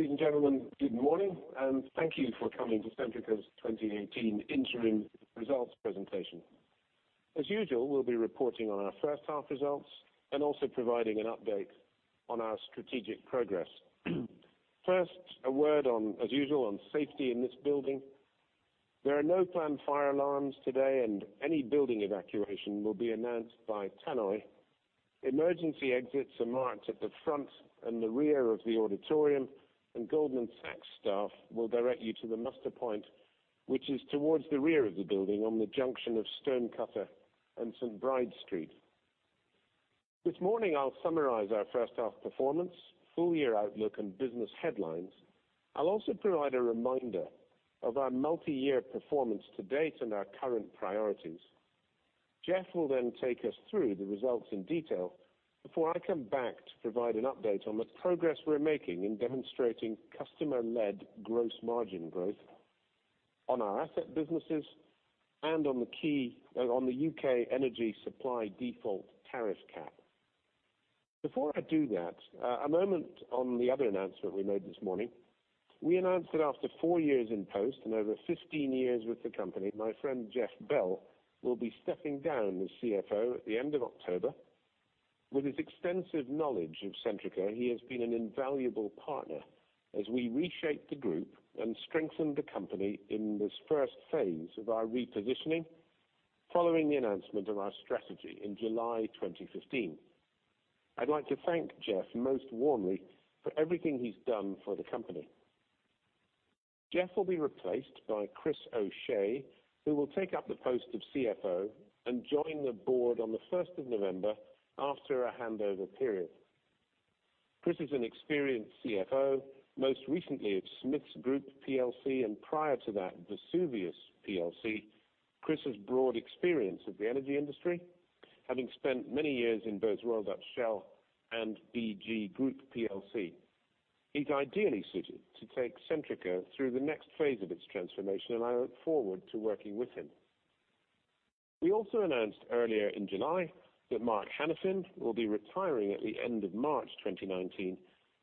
Ladies and gentlemen, good morning, and thank you for coming to Centrica's 2018 interim results presentation. As usual, we'll be reporting on our first half results and also providing an update on our strategic progress. First, a word on, as usual, on safety in this building. There are no planned fire alarms today, and any building evacuation will be announced by tannoy. Emergency exits are marked at the front and the rear of the auditorium, and Goldman Sachs staff will direct you to the muster point, which is towards the rear of the building on the junction of Stonecutter and St. Bride's Street. This morning I'll summarize our first half performance, full year outlook, and business headlines. I'll also provide a reminder of our multi-year performance to date and our current priorities. Jeff will then take us through the results in detail before I come back to provide an update on the progress we're making in demonstrating customer-led gross margin growth on our asset businesses and on the UK energy supply default tariff cap. Before I do that, a moment on the other announcement we made this morning. We announced that after four years in post and over 15 years with the company, my friend Jeff Bell will be stepping down as CFO at the end of October. With his extensive knowledge of Centrica, he has been an invaluable partner as we reshaped the group and strengthened the company in this first phase of our repositioning following the announcement of our strategy in July 2015. I'd like to thank Jeff most warmly for everything he's done for the company. Jeff will be replaced by Chris O'Shea, who will take up the post of CFO and join the board on the 1st of November after a handover period. Chris is an experienced CFO, most recently of Smiths Group PLC, and prior to that, Vesuvius PLC. Chris has broad experience of the energy industry, having spent many years in both Royal Dutch Shell and BG Group PLC. He's ideally suited to take Centrica through the next phase of its transformation, and I look forward to working with him.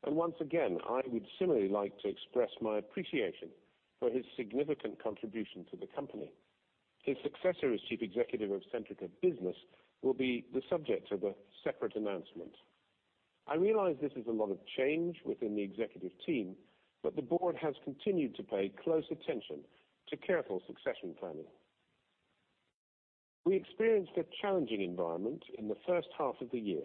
Once again, I would similarly like to express my appreciation for his significant contribution to the company. His successor as Chief Executive of Centrica Business will be the subject of a separate announcement. I realize this is a lot of change within the executive team. The board has continued to pay close attention to careful succession planning. We experienced a challenging environment in the first half of the year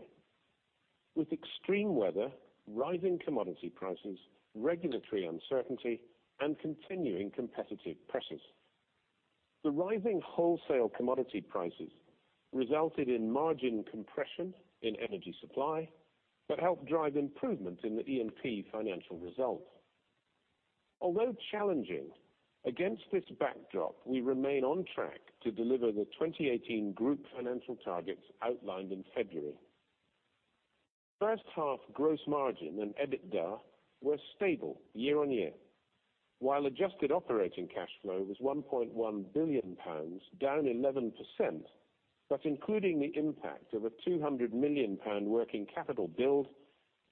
with extreme weather, rising commodity prices, regulatory uncertainty, and continuing competitive pressures. The rising wholesale commodity prices resulted in margin compression in energy supply but helped drive improvement in the E&P financial results. Although challenging, against this backdrop, we remain on track to deliver the 2018 group financial targets outlined in February. First half gross margin and EBITDA were stable year-over-year, while adjusted operating cash flow was 1.1 billion pounds, down 11%, but including the impact of a 200 million pound working capital build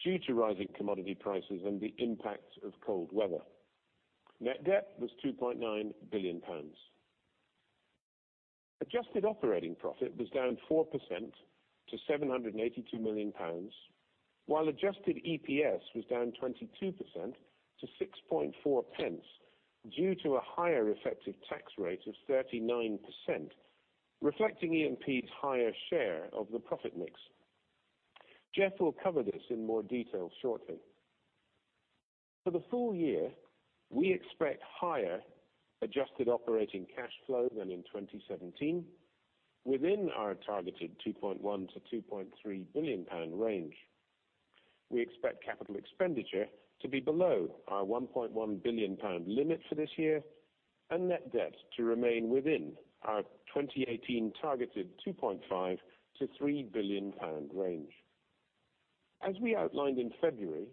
due to rising commodity prices and the impact of cold weather. Net debt was 2.9 billion pounds. Adjusted operating profit was down 4% to 782 million pounds, while adjusted EPS was down 22% to 0.064 due to a higher effective tax rate of 39%, reflecting E&P's higher share of the profit mix. Jeff will cover this in more detail shortly. For the full year, we expect higher adjusted operating cash flow than in 2017 within our targeted 2.1 billion-2.3 billion pound range. We expect capital expenditure to be below our 1.1 billion pound limit for this year and net debt to remain within our 2018 targeted 2.5 billion-3 billion pound range. As we outlined in February,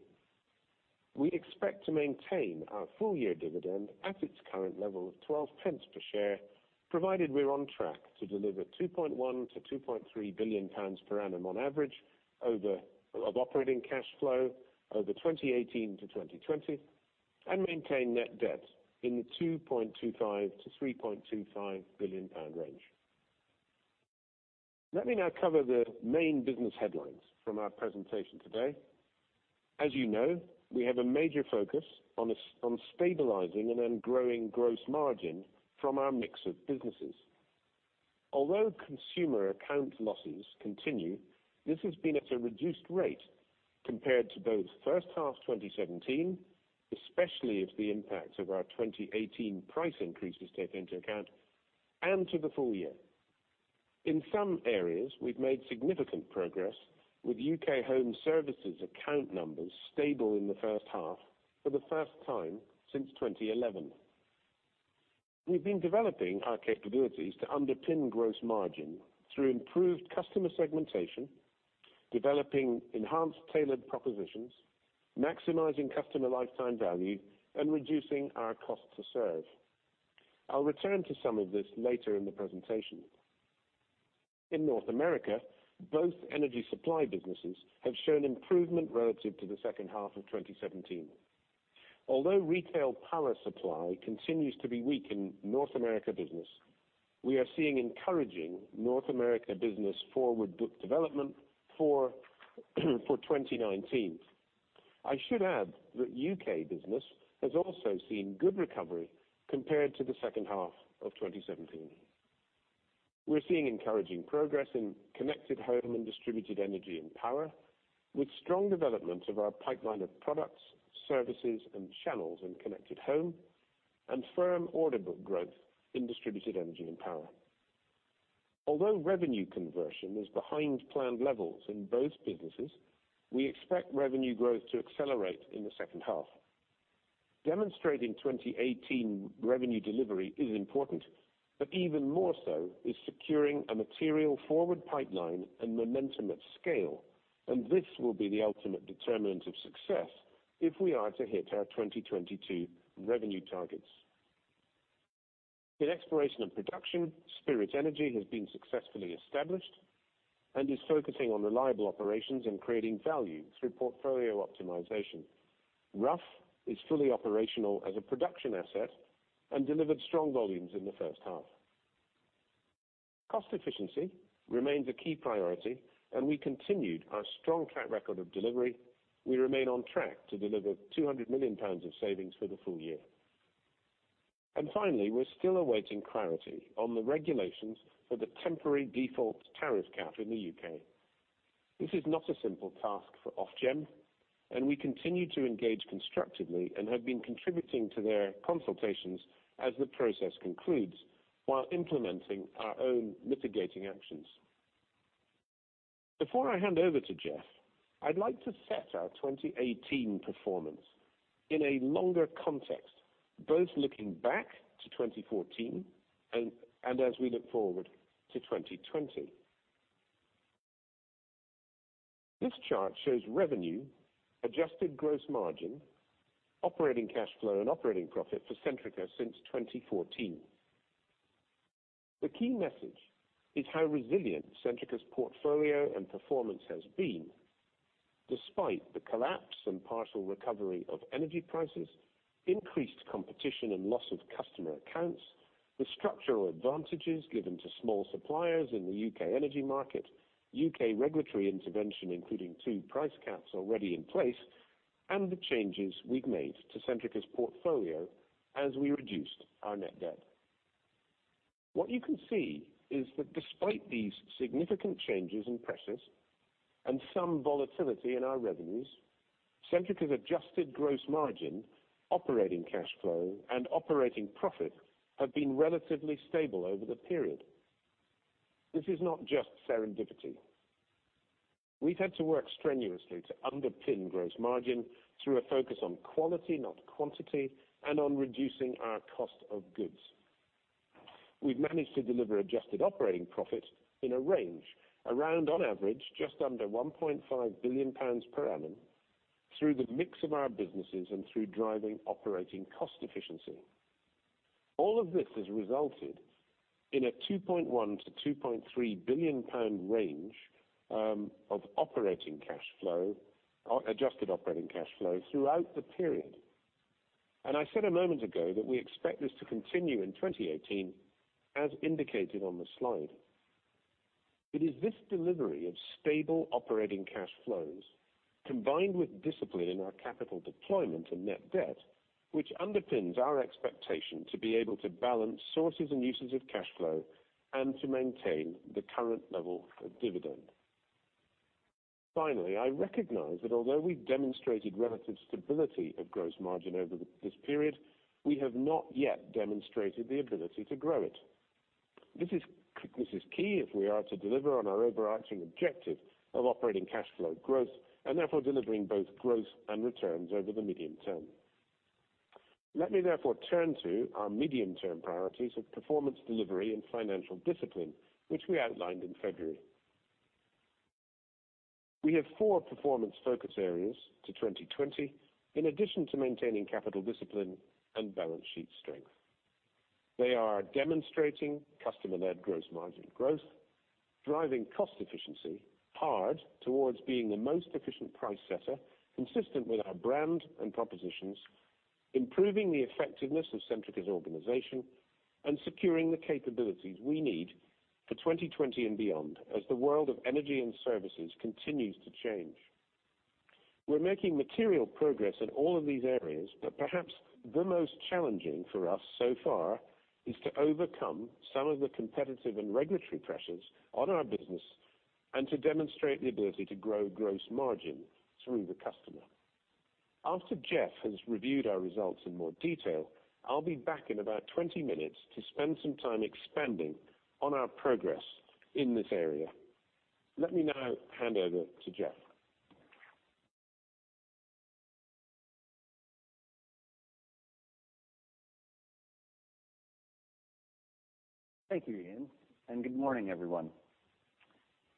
we expect to maintain our full-year dividend at its current level of 0.12 per share, provided we're on track to deliver 2.1 billion-2.3 billion pounds per annum on average of operating cash flow over 2018 to 2020 and maintain net debt in the 2.25 billion-3.25 billion pound range. Let me now cover the main business headlines from our presentation today. As you know, we have a major focus on stabilizing and then growing gross margin from our mix of businesses. Although consumer account losses continue, this has been at a reduced rate compared to both first half 2017, especially if the impact of our 2018 price increases are taken into account, and to the full year. In some areas, we've made significant progress with U.K. home services account numbers stable in the first half for the first time since 2011. We've been developing our capabilities to underpin gross margin through improved customer segmentation, developing enhanced tailored propositions, maximizing customer lifetime value, and reducing our cost to serve. I'll return to some of this later in the presentation. In North America, both energy supply businesses have shown improvement relative to the second half of 2017. Although retail power supply continues to be weak in North America Business, we are seeing encouraging North America Business forward book development for 2019. I should add that U.K. Business has also seen good recovery compared to the second half of 2017. We're seeing encouraging progress in Connected Home and Distributed Energy & Power, with strong development of our pipeline of products, services, and channels in Connected Home, and firm order book growth in Distributed Energy & Power. Although revenue conversion is behind planned levels in both businesses, we expect revenue growth to accelerate in the second half. Demonstrating 2018 revenue delivery is important, but even more so is securing a material forward pipeline and momentum at scale, and this will be the ultimate determinant of success if we are to hit our 2022 revenue targets. In exploration and production, Spirit Energy has been successfully established and is focusing on reliable operations and creating value through portfolio optimization. Rough is fully operational as a production asset and delivered strong volumes in the first half. Cost efficiency remains a key priority, and we continued our strong track record of delivery. We remain on track to deliver 200 million pounds of savings for the full year. Finally, we're still awaiting clarity on the regulations for the temporary default tariff cap in the U.K. This is not a simple task for Ofgem, and we continue to engage constructively and have been contributing to their consultations as the process concludes while implementing our own mitigating actions. Before I hand over to Jeff, I'd like to set our 2018 performance in a longer context, both looking back to 2014 and as we look forward to 2020. This chart shows revenue, adjusted gross margin, operating cash flow, and operating profit for Centrica since 2014. The key message is how resilient Centrica's portfolio and performance has been despite the collapse and partial recovery of energy prices, increased competition, and loss of customer accounts, the structural advantages given to small suppliers in the U.K. energy market, U.K. regulatory intervention, including two price caps already in place, and the changes we've made to Centrica's portfolio as we reduced our net debt. What you can see is that despite these significant changes in pressures and some volatility in our revenues, Centrica's adjusted gross margin, operating cash flow, and operating profit have been relatively stable over the period. This is not just serendipity. We've had to work strenuously to underpin gross margin through a focus on quality, not quantity, and on reducing our cost of goods. We've managed to deliver adjusted operating profit in a range around, on average, just under 1.5 billion pounds per annum through the mix of our businesses and through driving operating cost efficiency. All of this has resulted in a 2.1 billion-2.3 billion pound range of adjusted operating cash flow throughout the period. I said a moment ago that we expect this to continue in 2018, as indicated on the slide. It is this delivery of stable operating cash flows, combined with discipline in our capital deployment and net debt, which underpins our expectation to be able to balance sources and uses of cash flow and to maintain the current level of dividend. Finally, I recognize that although we demonstrated relative stability of gross margin over this period, we have not yet demonstrated the ability to grow it. This is key if we are to deliver on our overarching objective of operating cash flow growth and therefore delivering both growth and returns over the medium term. Let me therefore turn to our medium-term priorities of performance delivery and financial discipline, which we outlined in February. We have four performance focus areas to 2020, in addition to maintaining capital discipline and balance sheet strength. They are demonstrating customer-led gross margin growth; driving cost efficiency hard towards being the most efficient price setter consistent with our brand and propositions; improving the effectiveness of Centrica's organization; and securing the capabilities we need for 2020 and beyond as the world of energy and services continues to change. We're making material progress in all of these areas, but perhaps the most challenging for us so far is to overcome some of the competitive and regulatory pressures on our business and to demonstrate the ability to grow gross margin through the customer. After Jeff has reviewed our results in more detail, I'll be back in about 20 minutes to spend some time expanding on our progress in this area. Let me now hand over to Jeff. Thank you, Iain, and good morning, everyone.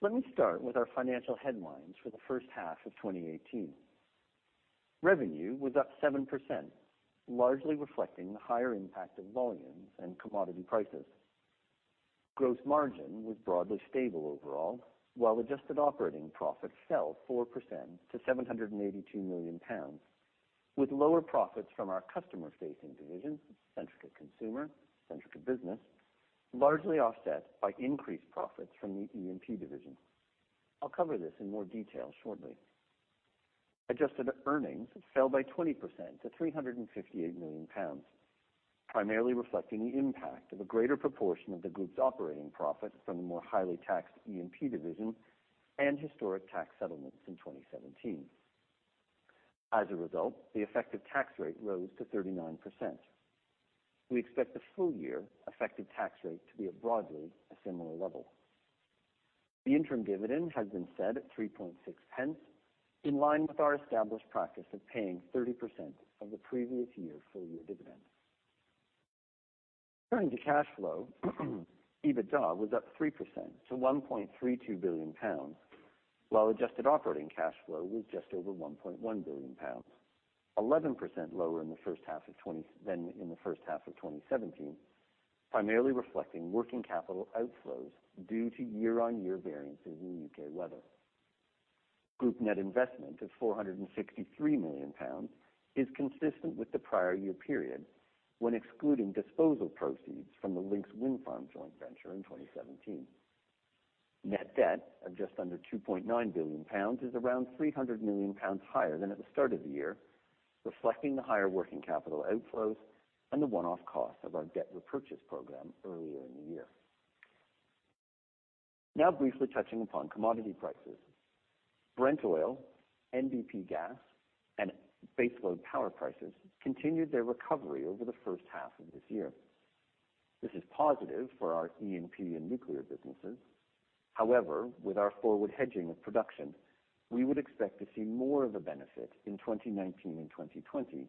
Let me start with our financial headlines for the first half of 2018. Revenue was up 7%, largely reflecting the higher impact of volumes and commodity prices. Gross margin was broadly stable overall, while adjusted operating profit fell 4% to £782 million, with lower profits from our customer-facing divisions, Centrica Consumer, Centrica Business, largely offset by increased profits from the E&P division. I'll cover this in more detail shortly. Adjusted earnings fell by 20% to £358 million, primarily reflecting the impact of a greater proportion of the group's operating profit from the more highly taxed E&P division and historic tax settlements in 2017. The effective tax rate rose to 39%. We expect the full-year effective tax rate to be broadly a similar level. The interim dividend has been set at 3.6p, in line with our established practice of paying 30% of the previous year's full-year dividend. Turning to cash flow, EBITDA was up 3% to £1.32 billion, while adjusted operating cash flow was just over £1.1 billion, 11% lower than in the first half of 2017, primarily reflecting working capital outflows due to year-on-year variances in U.K. weather. Group net investment of £463 million is consistent with the prior year period when excluding disposal proceeds from the Lincs wind farm joint venture in 2017. Net debt of just under £2.9 billion is around £300 million higher than at the start of the year, reflecting the higher working capital outflows and the one-off cost of our debt repurchase program earlier in the year. Briefly touching upon commodity prices. Brent oil, NBP gas, and baseload power prices continued their recovery over the first half of this year. This is positive for our E&P and nuclear businesses. With our forward hedging of production, we would expect to see more of a benefit in 2019 and 2020.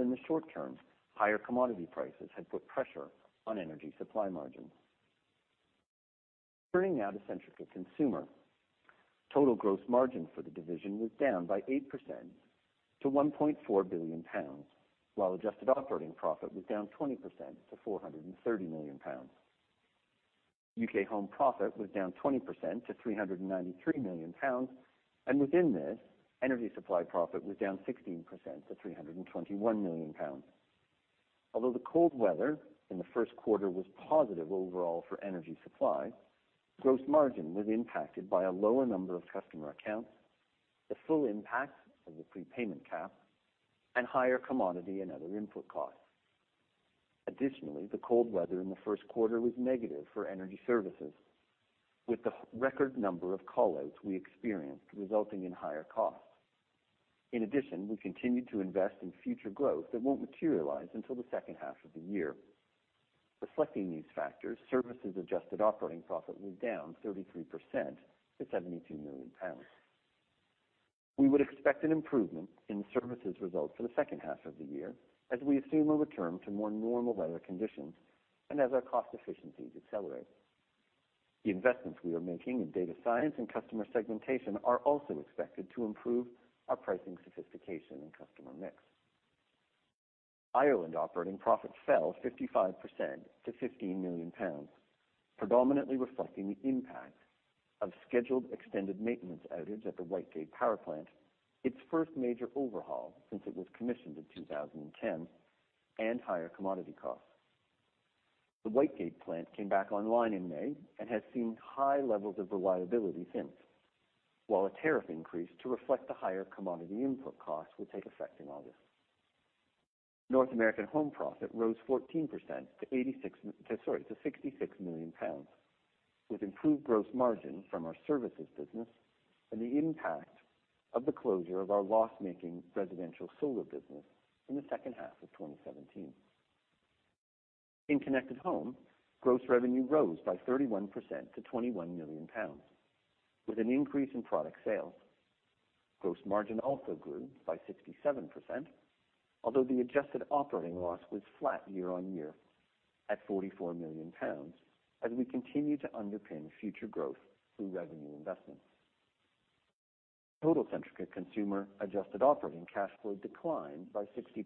In the short term, higher commodity prices have put pressure on energy supply margins. Turning to Centrica Consumer. Total gross margin for the division was down by 8% to £1.4 billion, while adjusted operating profit was down 20% to £430 million. U.K. Home profit was down 20% to £393 million. Within this, energy supply profit was down 16% to £321 million. The cold weather in the first quarter was positive overall for energy supply, gross margin was impacted by a lower number of customer accounts, the full impact of the prepayment cap, and higher commodity and other input costs. The cold weather in the first quarter was negative for energy services, with the record number of call-outs we experienced resulting in higher costs. We continued to invest in future growth that won't materialize until the second half of the year. Reflecting these factors, services adjusted operating profit was down 33% to £72 million. We would expect an improvement in services results for the second half of the year as we assume a return to more normal weather conditions and as our cost efficiencies accelerate. The investments we are making in data science and customer segmentation are also expected to improve our pricing sophistication and customer mix. Ireland operating profit fell 55% to £15 million, predominantly reflecting the impact of scheduled extended maintenance outage at the Whitegate power plant, its first major overhaul since it was commissioned in 2010, and higher commodity costs. The Whitegate plant came back online in May and has seen high levels of reliability since. While a tariff increase to reflect the higher commodity input costs will take effect in August. North America Home profit rose 14% to 66 million pounds, with improved gross margin from our services business and the impact of the closure of our loss-making residential solar business in the second half of 2017. In Connected Home, gross revenue rose by 31% to 21 million pounds with an increase in product sales. Gross margin also grew by 67%, although the adjusted operating loss was flat year-on-year at 44 million pounds as we continue to underpin future growth through revenue investments. Total Centrica Consumer adjusted operating cash flow declined by 60%,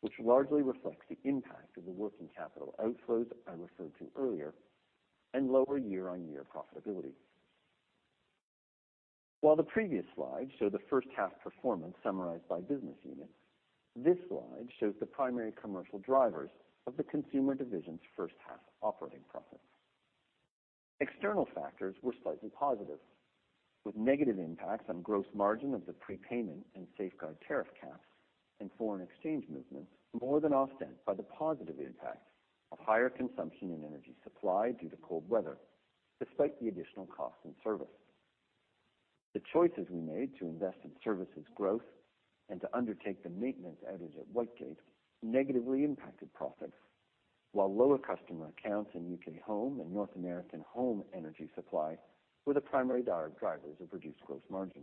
which largely reflects the impact of the working capital outflows I referred to earlier and lower year-on-year profitability. While the previous slides show the first-half performance summarized by business unit, this slide shows the primary commercial drivers of the Consumer division's first-half operating profit. External factors were slightly positive, with negative impacts on gross margin of the prepayment and safeguard tariff caps and foreign exchange movements more than offset by the positive impact of higher consumption and energy supply due to cold weather, despite the additional cost in service. The choices we made to invest in services growth and to undertake the maintenance outage at Whitegate negatively impacted profits. While lower customer accounts in UK Home and North America Home energy supply were the primary drivers of reduced gross margin.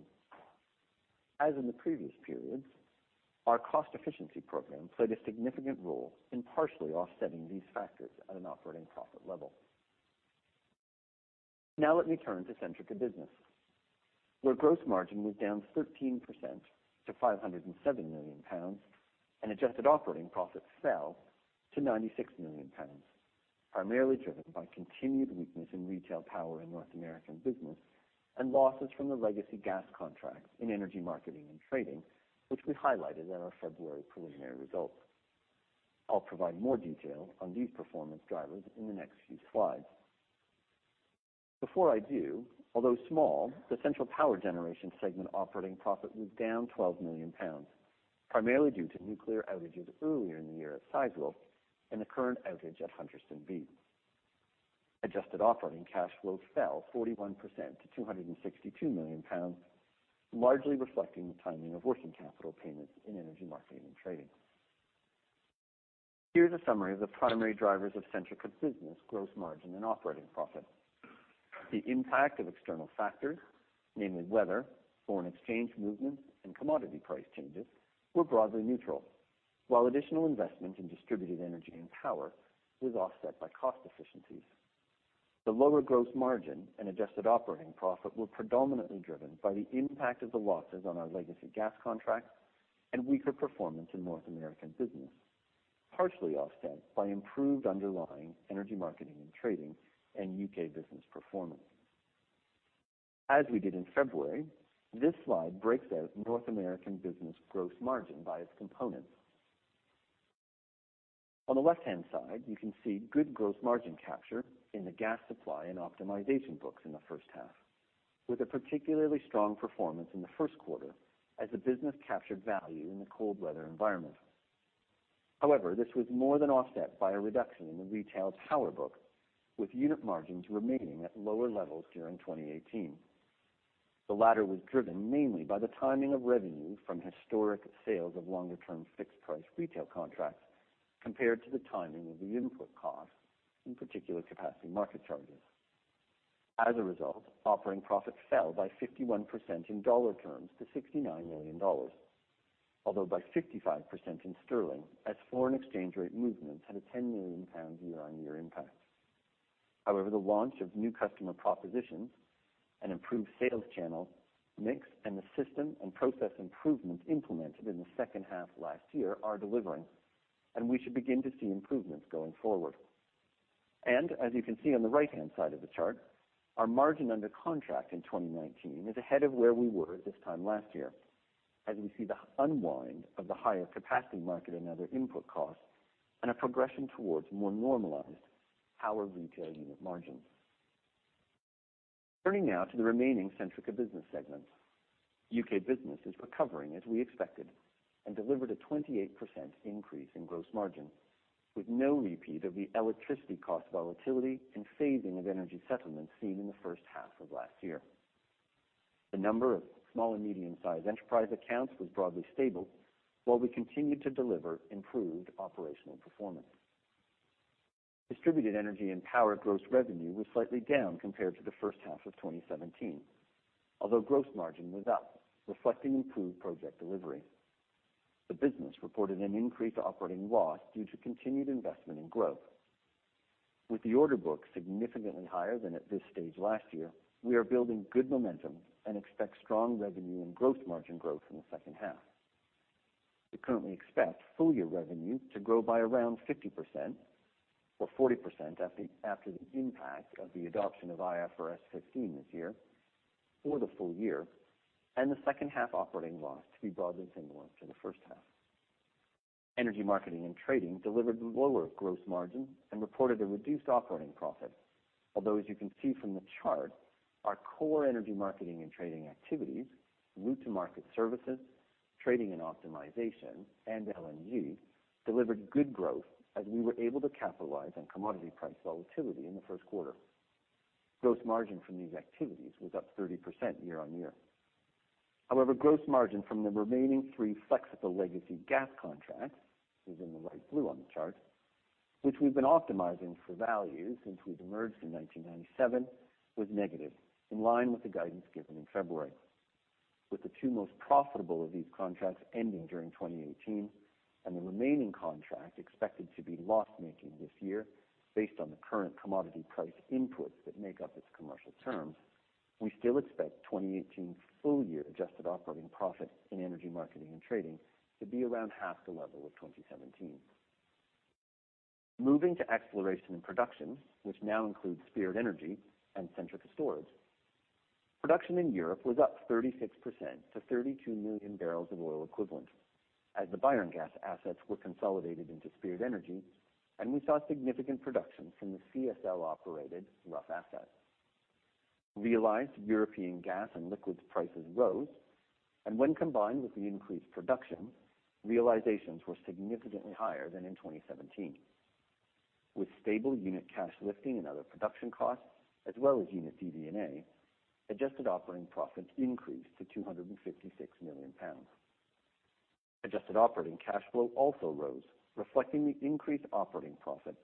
As in the previous periods, our cost efficiency program played a significant role in partially offsetting these factors at an operating profit level. Now let me turn to Centrica Business, where gross margin was down 13% to 507 million pounds and adjusted operating profit fell to 96 million pounds, primarily driven by continued weakness in retail power in North America Business and losses from the legacy gas contracts in Energy Marketing and Trading, which we highlighted in our February preliminary results. I'll provide more detail on these performance drivers in the next few slides. Before I do, although small, the Central Power Generation segment operating profit was down 12 million pounds, primarily due to nuclear outages earlier in the year at Sizewell and the current outage at Hunterston B. Adjusted operating cash flow fell 41% to 262 million pounds, largely reflecting the timing of working capital payments in Energy Marketing and Trading. Here's a summary of the primary drivers of Centrica Business gross margin and operating profit. The impact of external factors, namely weather, foreign exchange movements, and commodity price changes, were broadly neutral. While additional investment in Distributed Energy and Power was offset by cost efficiencies. The lower gross margin and adjusted operating profit were predominantly driven by the impact of the losses on our legacy gas contract and weaker performance in North America Business, partially offset by improved underlying Energy Marketing and Trading and UK Business performance. As we did in February, this slide breaks out North America Business gross margin by its components. On the left-hand side, you can see good gross margin capture in the gas supply and optimization books in the first half, with a particularly strong performance in the first quarter as the business captured value in the cold weather environment. This was more than offset by a reduction in the retail power book, with unit margins remaining at lower levels during 2018. The latter was driven mainly by the timing of revenue from historic sales of longer-term fixed price retail contracts, compared to the timing of the input costs, in particular capacity market charges. As a result, operating profit fell by 51% in dollar terms to $69 million, although by 55% in GBP as foreign exchange rate movements had a 10 million pound year-on-year impact. The launch of new customer propositions and improved sales channel mix and the system and process improvements implemented in the second half of last year are delivering, and we should begin to see improvements going forward. As you can see on the right-hand side of the chart, our margin under contract in 2019 is ahead of where we were at this time last year, as we see the unwind of the higher capacity market and other input costs and a progression towards more normalized power retail unit margins. Turning now to the remaining Centrica Business segments. UK Business is recovering as we expected and delivered a 28% increase in gross margin, with no repeat of the electricity cost volatility and phasing of energy settlements seen in the first half of last year. The number of small and medium-sized enterprise accounts was broadly stable, while we continued to deliver improved operational performance. Distributed Energy and Power gross revenue was slightly down compared to the first half of 2017, although gross margin was up, reflecting improved project delivery. The business reported an increased operating loss due to continued investment in growth. With the order book significantly higher than at this stage last year, we are building good momentum and expect strong revenue and gross margin growth in the second half. We currently expect full-year revenue to grow by around 50%, or 40% after the impact of the adoption of IFRS 15 this year for the full year, and the second half operating loss to be broadly similar to the first half. Energy Marketing and Trading delivered lower gross margin and reported a reduced operating profit. As you can see from the chart, our core Energy Marketing and Trading activities, route to market services, trading and optimization, and LNG delivered good growth as we were able to capitalize on commodity price volatility in the first quarter. Gross margin from these activities was up 30% year-on-year. Gross margin from the remaining three flexible legacy gas contracts, within the light blue on the chart, which we've been optimizing for value since we've emerged in 1997, was negative, in line with the guidance given in February. With the two most profitable of these contracts ending during 2018 and the remaining contract expected to be loss-making this year based on the current commodity price inputs that make up its commercial terms, we still expect 2018 full-year adjusted operating profit in Energy Marketing and Trading to be around half the level of 2017. Moving to Exploration & Production, which now includes Spirit Energy and Centrica Storage. Production in Europe was up 36% to 32 million barrels of oil equivalent as the Bayerngas assets were consolidated into Spirit Energy, and we saw significant production from the CSL-operated Rough asset. Realized European gas and liquids prices rose. When combined with the increased production, realizations were significantly higher than in 2017. With stable unit cash lifting and other production costs, as well as unit DD&A, adjusted operating profit increased to 256 million pounds. Adjusted operating cash flow also rose, reflecting the increased operating profit,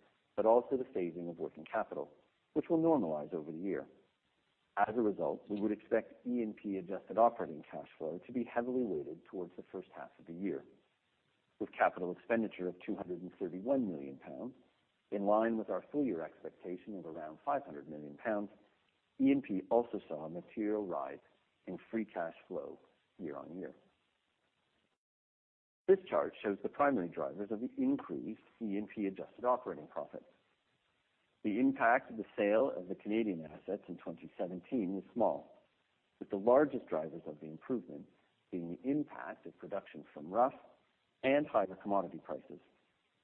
also the phasing of working capital, which will normalize over the year. As a result, we would expect E&P adjusted operating cash flow to be heavily weighted towards the first half of the year. With capital expenditure of 231 million pounds, in line with our full-year expectation of around 500 million pounds, E&P also saw a material rise in free cash flow year-on-year. This chart shows the primary drivers of the increased E&P adjusted operating profit. The impact of the sale of the Canadian assets in 2017 was small, with the largest drivers of the improvement being the impact of production from Rough and higher commodity prices,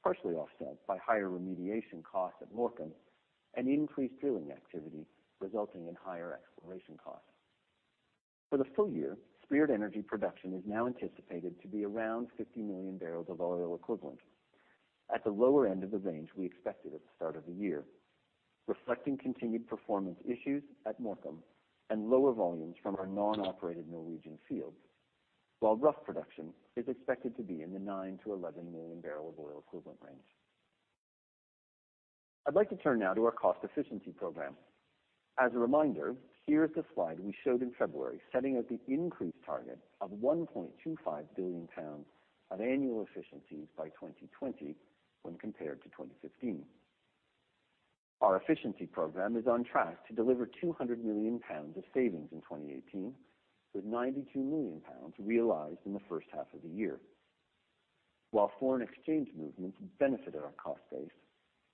partially offset by higher remediation costs at Morecambe and increased drilling activity resulting in higher exploration costs. For the full year, Spirit Energy production is now anticipated to be around 50 million barrels of oil equivalent, at the lower end of the range we expected at the start of the year, reflecting continued performance issues at Morecambe and lower volumes from our non-operated Norwegian fields. While Rough production is expected to be in the 9 million-11 million barrel oil equivalent range. I'd like to turn now to our cost efficiency program. As a reminder, here is the slide we showed in February, setting out the increased target of 1.25 billion pounds of annual efficiencies by 2020 when compared to 2015. Our efficiency program is on track to deliver 200 million pounds of savings in 2018, with 92 million pounds realized in the first half of the year. While foreign exchange movements benefited our cost base,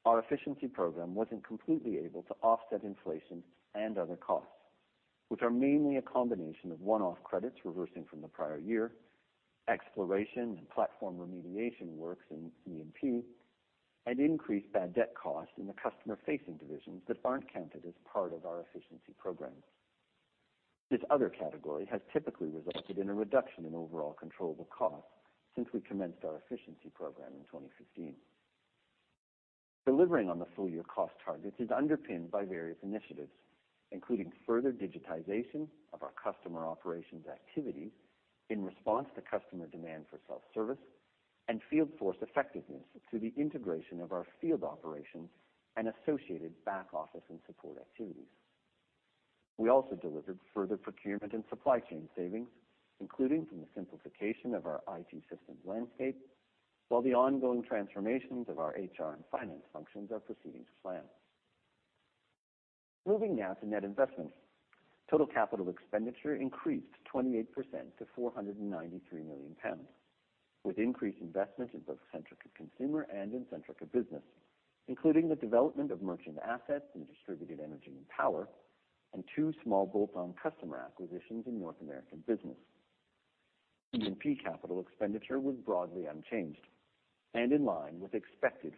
our efficiency program wasn't completely able to offset inflation and other costs, which are mainly a combination of one-off credits reversing from the prior year, exploration and platform remediation works in E&P, and increased bad debt costs in the customer-facing divisions that aren't counted as part of our efficiency program. This other category has typically resulted in a reduction in overall controllable costs since we commenced our efficiency program in 2015. Delivering on the full-year cost targets is underpinned by various initiatives, including further digitization of our customer operations activities in response to customer demand for self-service and field force effectiveness through the integration of our field operations and associated back office and support activities. We also delivered further procurement and supply chain savings, including from the simplification of our IT systems landscape, while the ongoing transformations of our HR and finance functions are proceeding to plan. Moving now to net investment. Total capital expenditure increased 28% to 493 million pounds, with increased investment in both Centrica Consumer and in Centrica Business, including the development of merchant assets in Distributed Energy & Power and two small bolt-on customer acquisitions in North America Business. E&P capital expenditure was broadly unchanged and in line with expected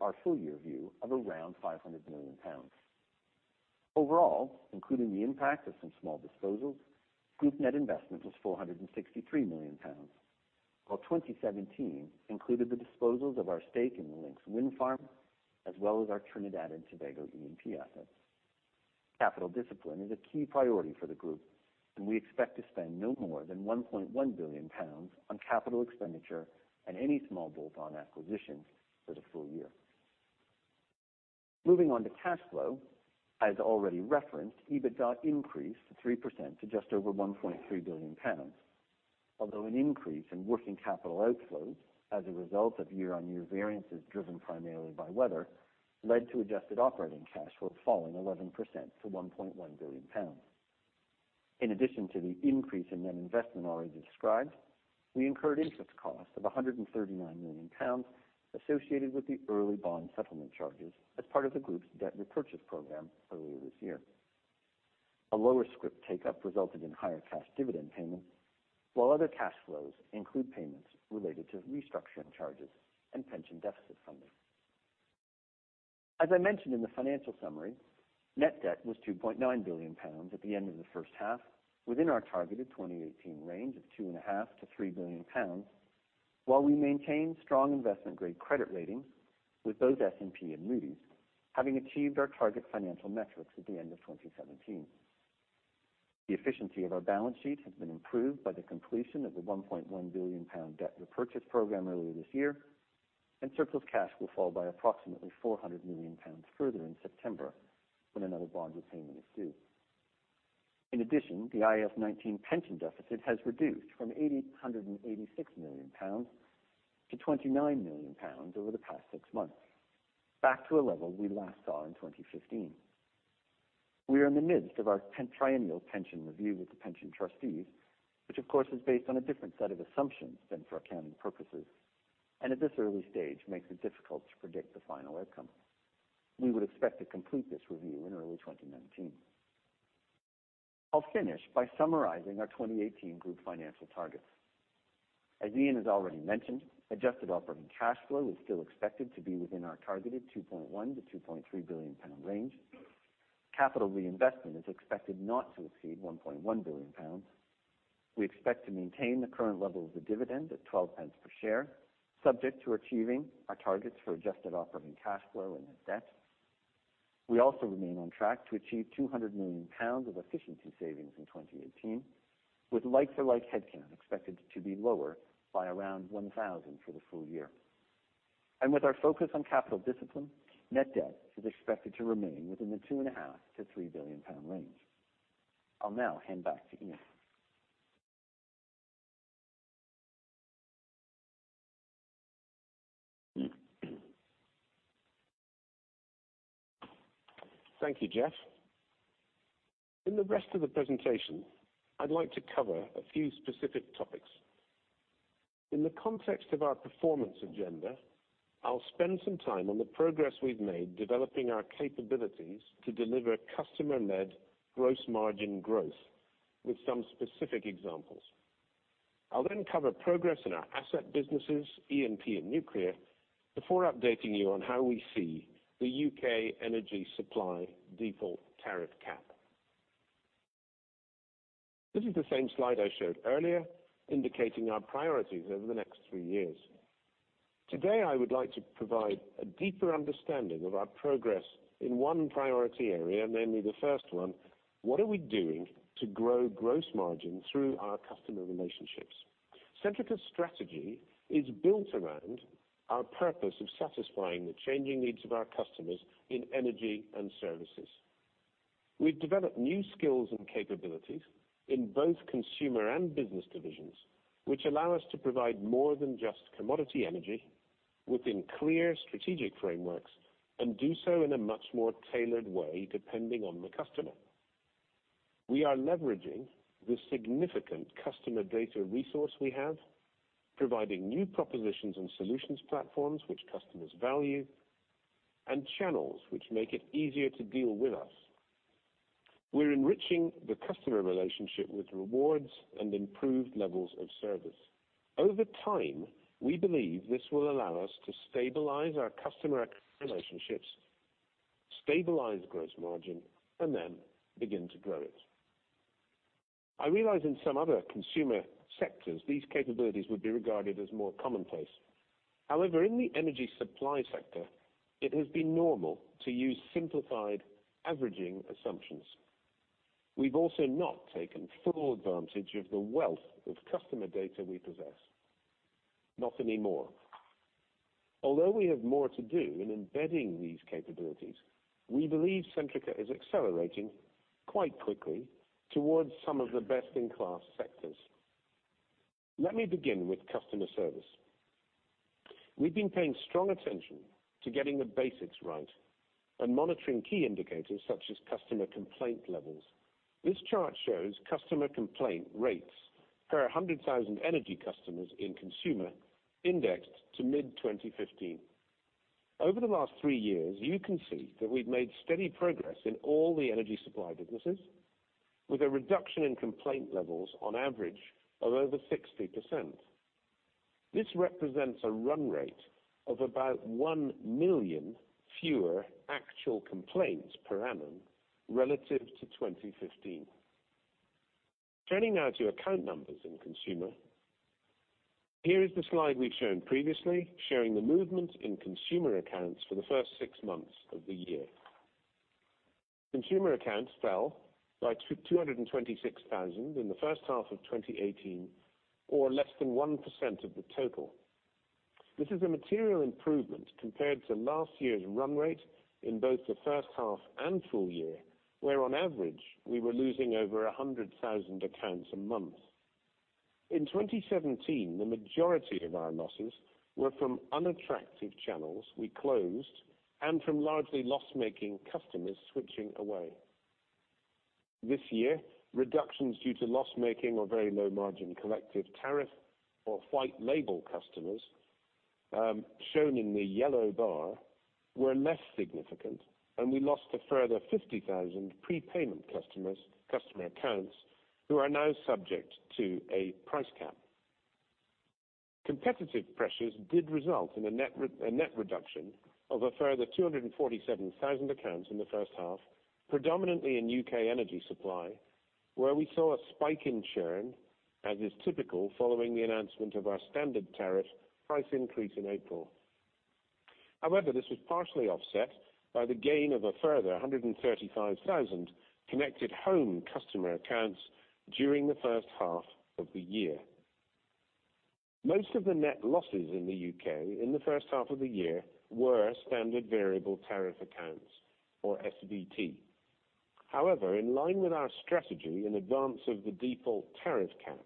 our full-year view of around 500 million pounds. Overall, including the impact of some small disposals, group net investment was 463 million pounds, while 2017 included the disposals of our stake in the Lincs Wind Farm, as well as our Trinidad and Tobago E&P assets. We expect to spend no more than 1.1 billion pounds on capital expenditure and any small bolt-on acquisitions for the full year. Moving on to cash flow. As already referenced, EBITDA increased 3% to just over 1.3 billion pounds. An increase in working capital outflows as a result of year-on-year variances driven primarily by weather, led to adjusted operating cash flow falling 11% to 1.1 billion pounds. In addition to the increase in net investment already described, we incurred interest costs of 139 million pounds associated with the early bond settlement charges as part of the group's debt repurchase program earlier this year. A lower scrip take-up resulted in higher cash dividend payments, while other cash flows include payments related to restructuring charges and pension deficit funding. As I mentioned in the financial summary, net debt was 2.9 billion pounds at the end of the first half, within our targeted 2018 range of 2.5 billion-3 billion pounds, while we maintained strong investment-grade credit rating with both S&P and Moody's, having achieved our target financial metrics at the end of 2017. The efficiency of our balance sheet has been improved by the completion of the 1.1 billion pound debt repurchase program earlier this year. Surplus cash will fall by approximately 400 million pounds further in September when another bond repayment is due. In addition, the IAS 19 pension deficit has reduced from 886 million pounds to 29 million pounds over the past six months, back to a level we last saw in 2015. We are in the midst of our triennial pension review with the pension trustees, which of course is based on a different set of assumptions than for accounting purposes, and at this early stage, makes it difficult to predict the final outcome. We would expect to complete this review in early 2019. I'll finish by summarizing our 2018 group financial targets. As Iain has already mentioned, adjusted operating cash flow is still expected to be within our targeted 2.1 billion-2.3 billion pound range. Capital reinvestment is expected not to exceed 1.1 billion pounds. We expect to maintain the current level of the dividend at 0.12 per share, subject to achieving our targets for adjusted operating cash flow and net debt. We also remain on track to achieve 200 million pounds of efficiency savings in 2018, with like-for-like headcount expected to be lower by around 1,000 for the full year. With our focus on capital discipline, net debt is expected to remain within the 2.5 billion-3 billion pound range. I'll now hand back to Iain. Thank you, Jeff. In the rest of the presentation, I'd like to cover a few specific topics. In the context of our performance agenda, I'll spend some time on the progress we've made developing our capabilities to deliver customer-led gross margin growth with some specific examples. I'll then cover progress in our asset businesses, E&P and nuclear, before updating you on how we see the U.K. energy supply default tariff cap. This is the same slide I showed earlier indicating our priorities over the next 3 years. Today, I would like to provide a deeper understanding of our progress in one priority area, namely the first one, what are we doing to grow gross margin through our customer relationships? Centrica's strategy is built around our purpose of satisfying the changing needs of our customers in energy and services. We've developed new skills and capabilities in both consumer and business divisions, which allow us to provide more than just commodity energy within clear strategic frameworks, and do so in a much more tailored way depending on the customer. We are leveraging the significant customer data resource we have, providing new propositions and solutions platforms which customers value, and channels which make it easier to deal with us. We're enriching the customer relationship with rewards and improved levels of service. Over time, we believe this will allow us to stabilize our customer relationships, stabilize gross margin, and then begin to grow it. I realize in some other consumer sectors, these capabilities would be regarded as more commonplace. However, in the energy supply sector, it has been normal to use simplified averaging assumptions. We've also not taken full advantage of the wealth of customer data we possess. Not anymore. Although we have more to do in embedding these capabilities, we believe Centrica is accelerating quite quickly towards some of the best-in-class sectors. Let me begin with customer service. We've been paying strong attention to getting the basics right and monitoring key indicators such as customer complaint levels. This chart shows customer complaint rates per 100,000 energy customers in consumer indexed to mid-2015. Over the last 3 years, you can see that we've made steady progress in all the energy supply businesses with a reduction in complaint levels on average of over 60%. This represents a run rate of about 1 million fewer actual complaints per annum relative to 2015. Turning now to account numbers in consumer. Here is the slide we've shown previously, showing the movement in consumer accounts for the first 6 months of the year. Consumer accounts fell by 226,000 in the first half of 2018, or less than 1% of the total. This is a material improvement compared to last year's run rate in both the first half and full year, where on average, we were losing over 100,000 accounts a month. In 2017, the majority of our losses were from unattractive channels we closed and from largely loss-making customers switching away. This year, reductions due to loss-making or very low margin collective tariff or white label customers, shown in the yellow bar, were less significant, and we lost a further 50,000 prepayment customer accounts who are now subject to a price cap. Competitive pressures did result in a net reduction of a further 247,000 accounts in the first half, predominantly in U.K. energy supply, where we saw a spike in churn, as is typical following the announcement of our standard tariff price increase in April. This was partially offset by the gain of a further 135,000 Connected Home customer accounts during the first half of the year. Most of the net losses in the U.K. in the first half of the year were standard variable tariff accounts or SVT. In line with our strategy in advance of the default tariff cap,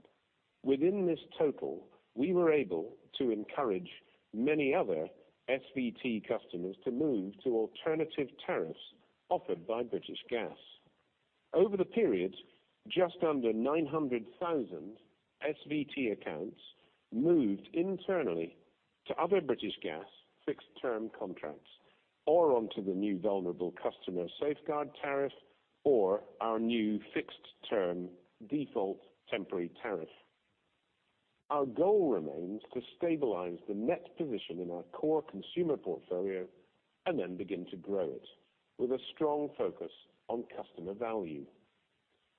within this total, we were able to encourage many other SVT customers to move to alternative tariffs offered by British Gas. Over the period, just under 900,000 SVT accounts moved internally to other British Gas fixed-term contracts or onto the new vulnerable customer safeguard tariff or our new fixed-term default temporary tariff. Our goal remains to stabilize the net position in our core consumer portfolio and then begin to grow it with a strong focus on customer value.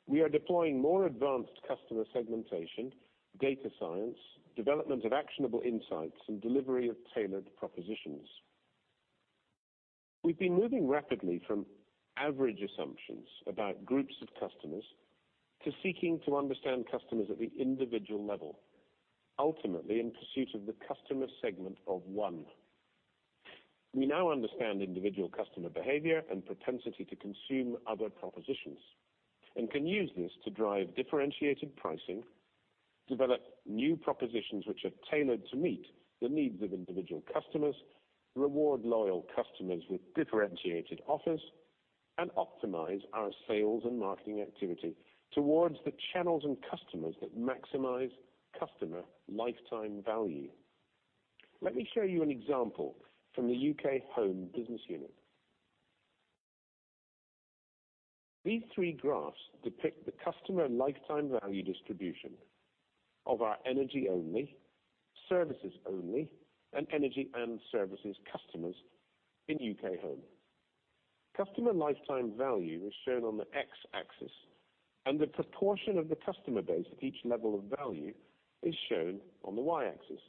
We are deploying more advanced customer segmentation, data science, development of actionable insights, and delivery of tailored propositions. We've been moving rapidly from average assumptions about groups of customers to seeking to understand customers at the individual level, ultimately in pursuit of the customer segment of one. We now understand individual customer behavior and propensity to consume other propositions, and can use this to drive differentiated pricing, develop new propositions which are tailored to meet the needs of individual customers, reward loyal customers with differentiated offers, and optimize our sales and marketing activity towards the channels and customers that maximize customer lifetime value. Let me show you an example from the U.K. Home business unit. These three graphs depict the customer lifetime value distribution of our energy-only, services-only, and energy and services customers in U.K. Home. Customer lifetime value is shown on the X-axis, and the proportion of the customer base at each level of value is shown on the Y-axis.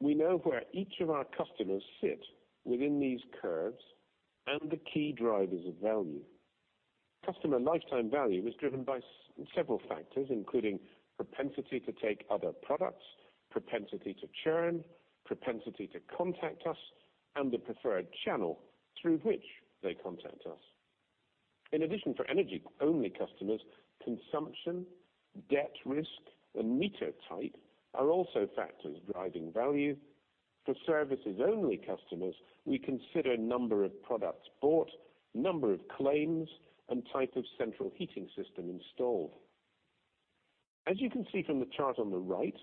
We know where each of our customers sit within these curves and the key drivers of value. Customer lifetime value is driven by several factors, including propensity to take other products, propensity to churn, propensity to contact us, and the preferred channel through which they contact us. In addition, for energy-only customers, consumption, debt risk, and meter type are also factors driving value. For services-only customers, we consider number of products bought, number of claims, and type of central heating system installed. As you can see from the chart on the right,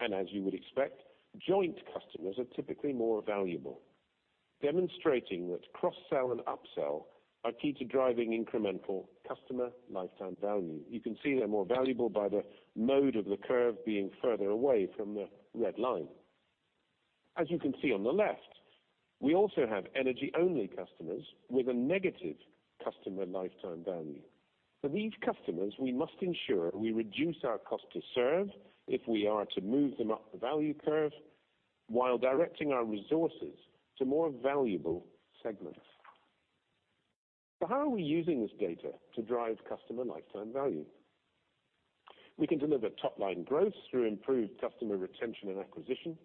and as you would expect, joint customers are typically more valuable, demonstrating that cross-sell and up-sell are key to driving incremental customer lifetime value. You can see they're more valuable by the mode of the curve being further away from the red line. As you can see on the left, we also have energy-only customers with a negative customer lifetime value. For these customers, we must ensure we reduce our cost to serve if we are to move them up the value curve while directing our resources to more valuable segments. How are we using this data to drive customer lifetime value? We can deliver top-line growth through improved customer retention and acquisition.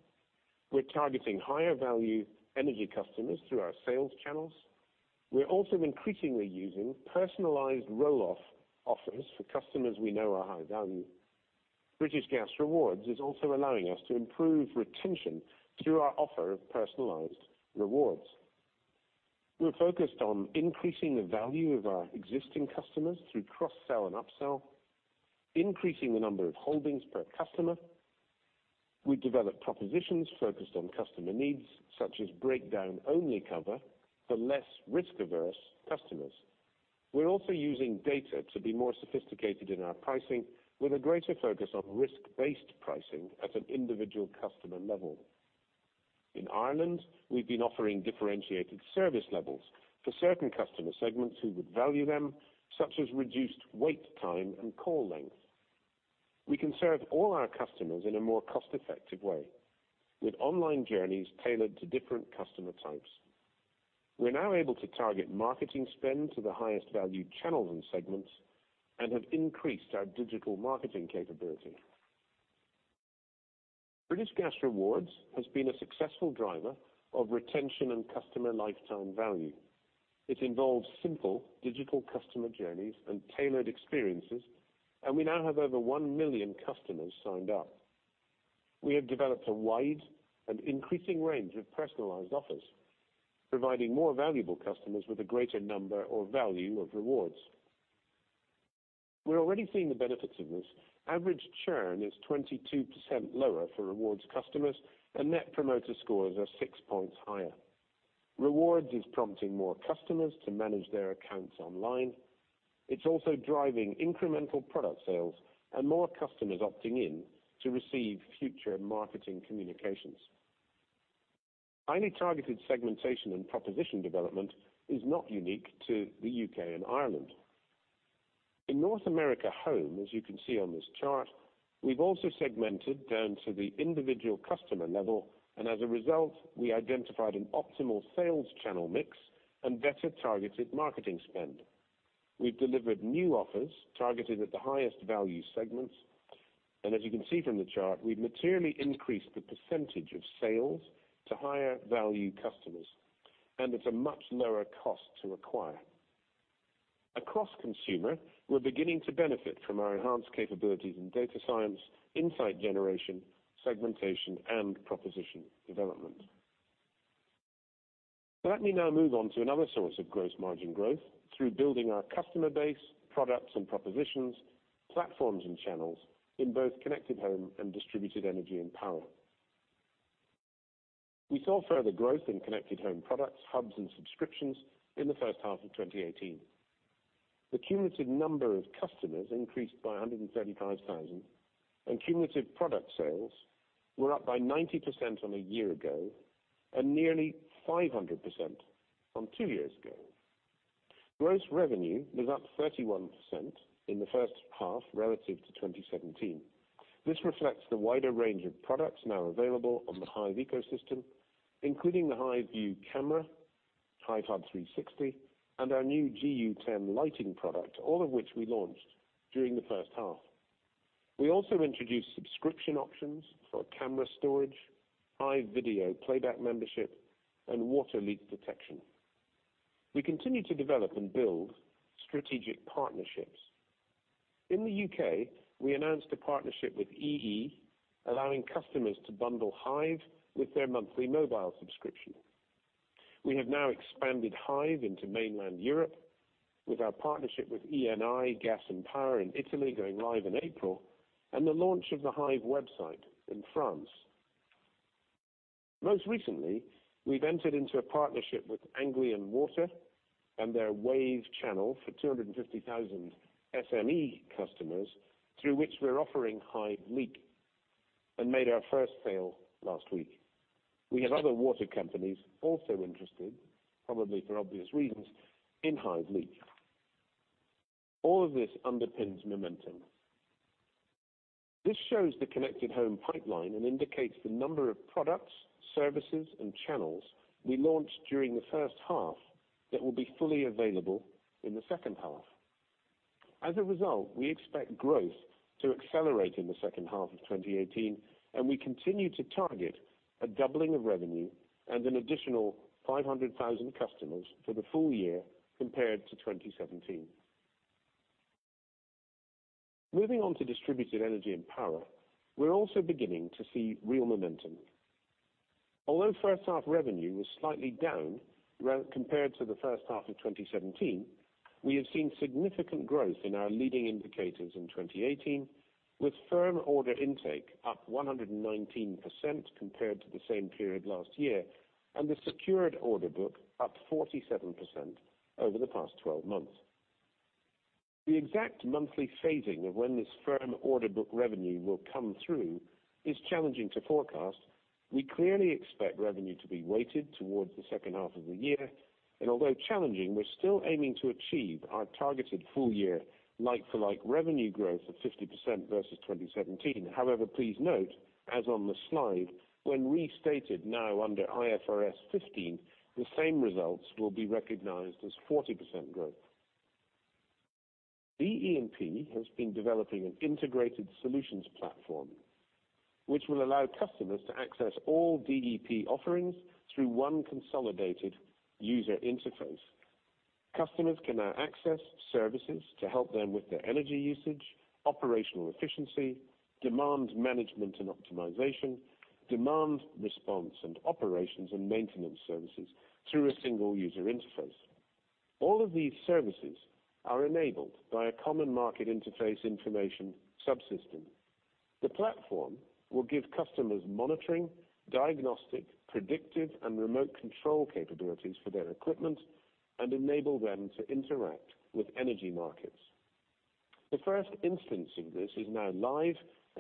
We're targeting higher-value energy customers through our sales channels. We're also increasingly using personalized roll-off offers for customers we know are high value. British Gas Rewards is also allowing us to improve retention through our offer of personalized rewards. We're focused on increasing the value of our existing customers through cross-sell and up-sell, increasing the number of holdings per customer. We develop propositions focused on customer needs, such as breakdown-only cover for less risk-averse customers. We're also using data to be more sophisticated in our pricing with a greater focus on risk-based pricing at an individual customer level. In Ireland, we've been offering differentiated service levels for certain customer segments who would value them, such as reduced wait time and call length. We can serve all our customers in a more cost-effective way with online journeys tailored to different customer types. We're now able to target marketing spend to the highest valued channels and segments and have increased our digital marketing capability. British Gas Rewards has been a successful driver of retention and customer lifetime value. It involves simple digital customer journeys and tailored experiences, and we now have over 1 million customers signed up. We have developed a wide and increasing range of personalized offers, providing more valuable customers with a greater number or value of rewards. We're already seeing the benefits of this. Average churn is 22% lower for rewards customers, and net promoter scores are six points higher. Rewards is prompting more customers to manage their accounts online. It's also driving incremental product sales and more customers opting in to receive future marketing communications. Highly targeted segmentation and proposition development is not unique to the U.K. and Ireland. In North America Home, as you can see on this chart, we've also segmented down to the individual customer level, and as a result, we identified an optimal sales channel mix and better targeted marketing spend. We've delivered new offers targeted at the highest value segments. As you can see from the chart, we've materially increased the percentage of sales to higher value customers, and it's a much lower cost to acquire. Across consumer, we're beginning to benefit from our enhanced capabilities in data science, insight generation, segmentation, and proposition development. Let me now move on to another source of gross margin growth through building our customer base, products and propositions, platforms and channels in both Connected Home and Distributed Energy & Power. We saw further growth in Connected Home products, hubs, and subscriptions in the first half of 2018. The cumulative number of customers increased by 135,000, and cumulative product sales were up by 90% on a year ago and nearly 500% from two years ago. Gross revenue was up 31% in the first half relative to 2017. This reflects the wider range of products now available on the Hive ecosystem, including the Hive View camera, Hive Hub 360, and our new GU10 lighting product, all of which we launched during the first half. We also introduced subscription options for camera storage, Hive video playback membership, and water leak detection. We continue to develop and build strategic partnerships. In the U.K., we announced a partnership with EE, allowing customers to bundle Hive with their monthly mobile subscription. We have now expanded Hive into mainland Europe with our partnership with Eni gas e luce in Italy going live in April, and the launch of the Hive website in France. Most recently, we've entered into a partnership with Anglian Water and their Wave channel for 250,000 SME customers, through which we're offering Hive Leak, and made our first sale last week. We have other water companies also interested, probably for obvious reasons, in Hive Leak. All of this underpins momentum. This shows the Connected Home pipeline and indicates the number of products, services, and channels we launched during the first half that will be fully available in the second half. As a result, we expect growth to accelerate in the second half of 2018. We continue to target a doubling of revenue and an additional 500,000 customers for the full year compared to 2017. Moving on to Distributed Energy & Power, we're also beginning to see real momentum. Although first half revenue was slightly down compared to the first half of 2017, we have seen significant growth in our leading indicators in 2018, with firm order intake up 119% compared to the same period last year, and the secured order book up 47% over the past 12 months. The exact monthly phasing of when this firm order book revenue will come through is challenging to forecast. We clearly expect revenue to be weighted towards the second half of the year, and although challenging, we're still aiming to achieve our targeted full year like-for-like revenue growth of 50% versus 2017. Please note, as on the slide, when restated now under IFRS 15, the same results will be recognized as 40% growth. DE&P has been developing an integrated solutions platform, which will allow customers to access all DEP offerings through one consolidated user interface. Customers can now access services to help them with their energy usage, operational efficiency, demand management and optimization, demand response, and operations and maintenance services through a single user interface. All of these services are enabled by a common market interface information subsystem. The platform will give customers monitoring, diagnostic, predictive, and remote control capabilities for their equipment and enable them to interact with energy markets. The first instance of this is now live.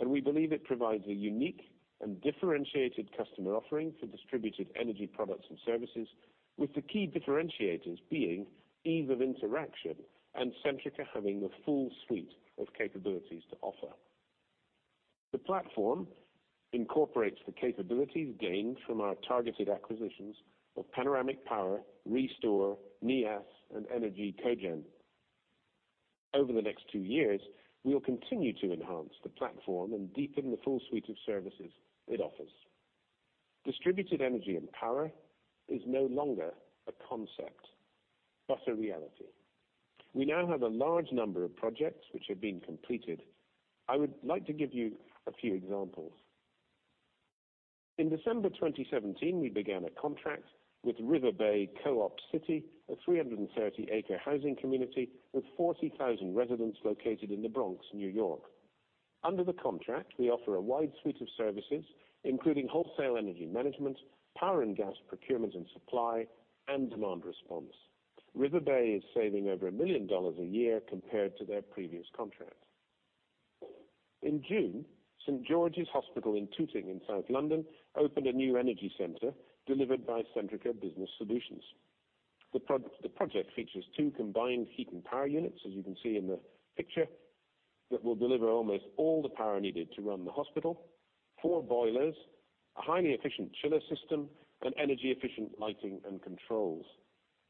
We believe it provides a unique and differentiated customer offering for distributed energy products and services, with the key differentiators being ease of interaction and Centrica having the full suite of capabilities to offer. The platform incorporates the capabilities gained from our targeted acquisitions of Panoramic Power, REstore, Neas, and ENER-G Cogen. Over the next two years, we will continue to enhance the platform and deepen the full suite of services it offers. Distributed Energy & Power is no longer a concept, but a reality. We now have a large number of projects which have been completed. I would like to give you a few examples. In December 2017, we began a contract with Riverbay Co-op City, a 330-acre housing community with 40,000 residents located in the Bronx, New York. Under the contract, we offer a wide suite of services, including wholesale energy management, power and gas procurement and supply, and demand response. Riverbay is saving over $1 million a year compared to their previous contract. In June, St George's Hospital in Tooting in South London opened a new energy center delivered by Centrica Business Solutions. The project features two combined heat and power units, as you can see in the picture, that will deliver almost all the power needed to run the hospital, four boilers, a highly efficient chiller system, and energy efficient lighting and controls.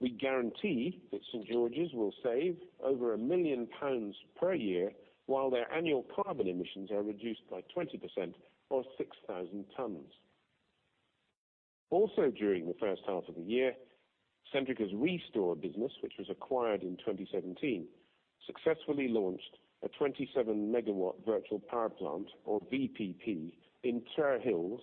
We guarantee that St George's will save over 1 million pounds per year while their annual carbon emissions are reduced by 20% or 6,000 tons. During the first half of the year, Centrica's REstore business, which was acquired in 2017, successfully launched a 27 MW virtual power plant, or VPP, in Terhills,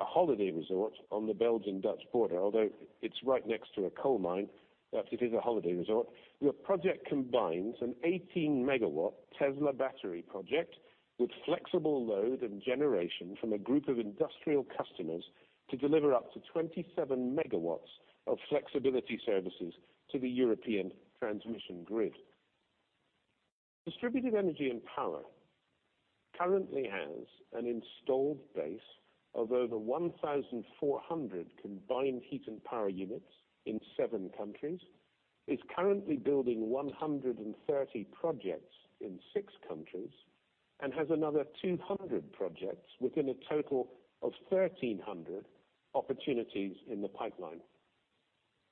a holiday resort on the Belgian-Dutch border. Although it's right next to a coal mine, it is a holiday resort. The project combines an 18 MW Tesla battery project with flexible load and generation from a group of industrial customers to deliver up to 27 MW of flexibility services to the European transmission grid. Distributed Energy & Power currently has an installed base of over 1,400 combined heat and power units in seven countries. It's currently building 130 projects in six countries and has another 200 projects within a total of 1,300 opportunities in the pipeline.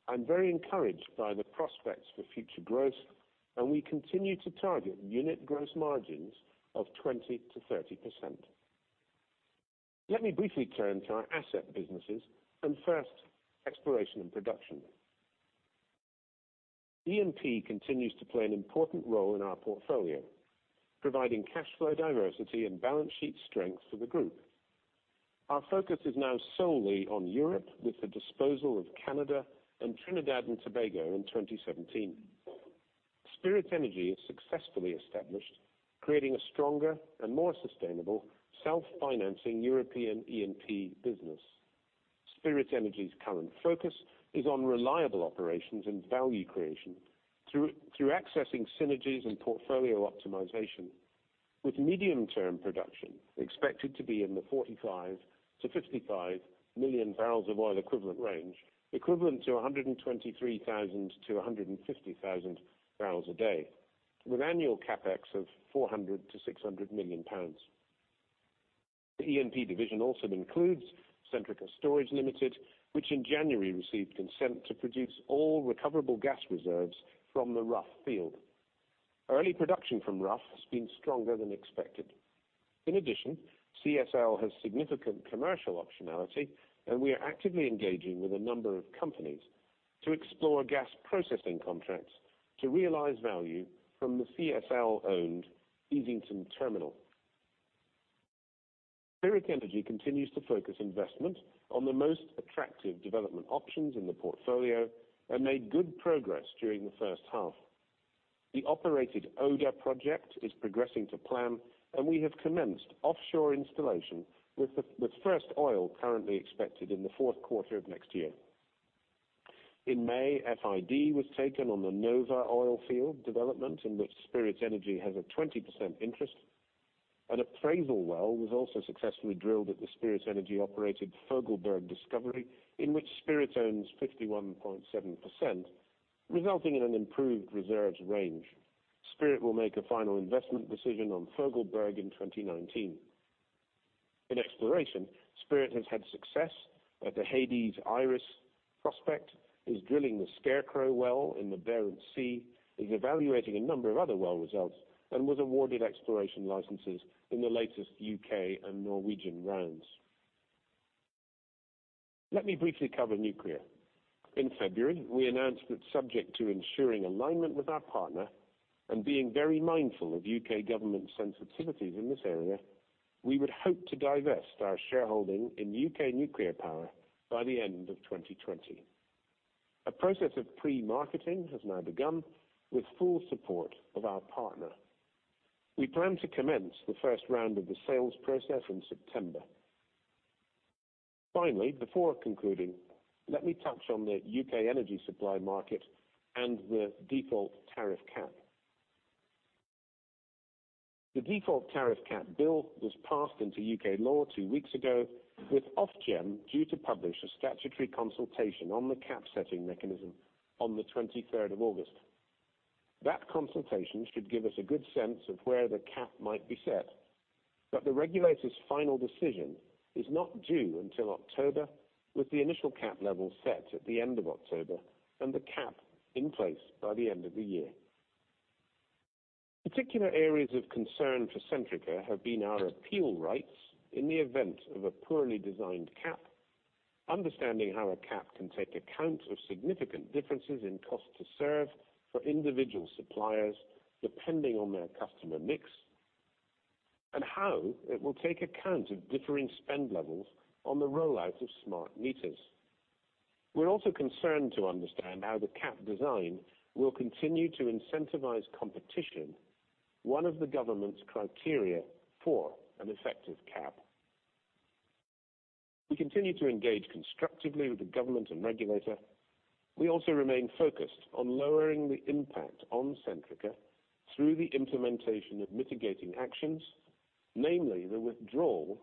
I'm very encouraged by the prospects for future growth, and we continue to target unit gross margins of 20%-30%. Let me briefly turn to our asset businesses. First, Exploration and Production. E&P continues to play an important role in our portfolio, providing cash flow diversity and balance sheet strength for the group. Our focus is now solely on Europe, with the disposal of Canada and Trinidad and Tobago in 2017. Spirit Energy is successfully established, creating a stronger and more sustainable self-financing European E&P business. Spirit Energy's current focus is on reliable operations and value creation through accessing synergies and portfolio optimization, with medium-term production expected to be in the 45 million-55 million barrels of oil equivalent range, equivalent to 123,000-150,000 barrels a day, with annual CapEx of 400 million-600 million pounds. The E&P division also includes Centrica Storage Limited, which in January received consent to produce all recoverable gas reserves from the Rough field. Early production from Rough has been stronger than expected. In addition, CSL has significant commercial optionality, and we are actively engaging with a number of companies to explore gas processing contracts to realize value from the CSL-owned Easington terminal. Spirit Energy continues to focus investment on the most attractive development options in the portfolio and made good progress during the first half. The operated Oda project is progressing to plan, and we have commenced offshore installation with first oil currently expected in the fourth quarter of next year. In May, FID was taken on the Nova oil field development, in which Spirit Energy has a 20% interest. An appraisal well was also successfully drilled at the Spirit Energy-operated Fogelberg discovery, in which Spirit owns 51.7%, resulting in an improved reserve range. Spirit will make a final investment decision on Fogelberg in 2019. In exploration, Spirit has had success at the Hades/Iris prospect, is drilling the Scarecrow well in the Barents Sea, is evaluating a number of other well results, and was awarded exploration licenses in the latest U.K. and Norwegian rounds. Let me briefly cover nuclear. In February, we announced that subject to ensuring alignment with our partner and being very mindful of U.K. government sensitivities in this area, we would hope to divest our shareholding in U.K. nuclear power by the end of 2020. A process of pre-marketing has now begun with full support of our partner. We plan to commence the first round of the sales process in September. Finally, before concluding, let me touch on the U.K. energy supply market and the default tariff cap. The default tariff cap bill was passed into U.K. law two weeks ago, with Ofgem due to publish a statutory consultation on the cap-setting mechanism on the 23rd of August. The regulator's final decision is not due until October, with the initial cap level set at the end of October and the cap in place by the end of the year. Particular areas of concern for Centrica have been our appeal rights in the event of a poorly designed cap, understanding how a cap can take account of significant differences in cost to serve for individual suppliers depending on their customer mix, and how it will take account of differing spend levels on the rollout of smart meters. We're also concerned to understand how the cap design will continue to incentivize competition, one of the government's criteria for an effective cap. We continue to engage constructively with the government and regulator. We also remain focused on lowering the impact on Centrica through the implementation of mitigating actions, namely the withdrawal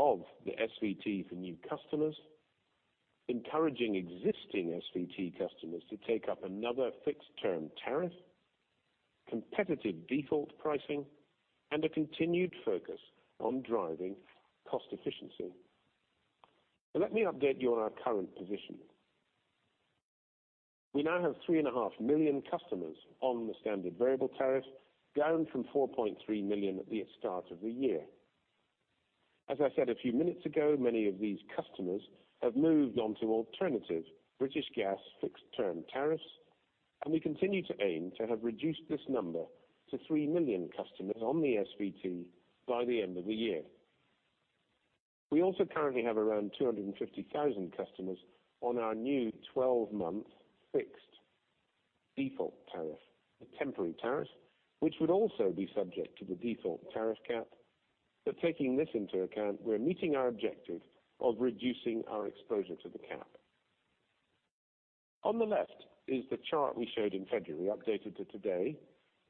of the SVT for new customers, encouraging existing SVT customers to take up another fixed-term tariff, competitive default pricing, and a continued focus on driving cost efficiency. Let me update you on our current position. We now have 3.5 million customers on the standard variable tariff, down from 4.3 million at the start of the year. As I said a few minutes ago, many of these customers have moved on to alternative British Gas fixed-term tariffs, and we continue to aim to have reduced this number to 3 million customers on the SVT by the end of the year. We also currently have around 250,000 customers on our new 12-month fixed default tariff, a temporary tariff, which would also be subject to the default tariff cap. Taking this into account, we're meeting our objective of reducing our exposure to the cap. On the left is the chart we showed in February, updated to today,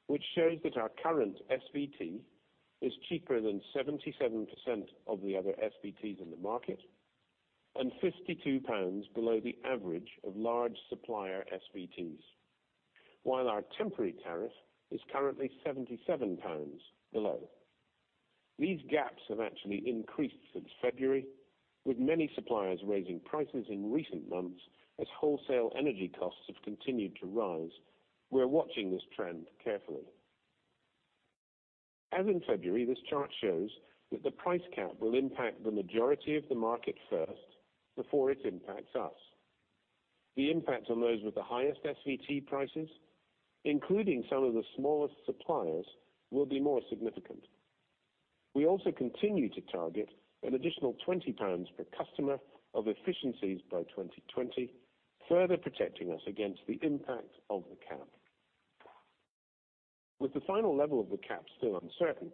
which shows that our current SVT is cheaper than 77% of the other SVTs in the market and 52 pounds below the average of large supplier SVTs. While our temporary tariff is currently 77 pounds below. These gaps have actually increased since February, with many suppliers raising prices in recent months as wholesale energy costs have continued to rise. We're watching this trend carefully. As in February, this chart shows that the price cap will impact the majority of the market first before it impacts us. The impact on those with the highest SVT prices, including some of the smallest suppliers, will be more significant. We also continue to target an additional 20 pounds per customer of efficiencies by 2020, further protecting us against the impact of the cap. With the final level of the cap still uncertain,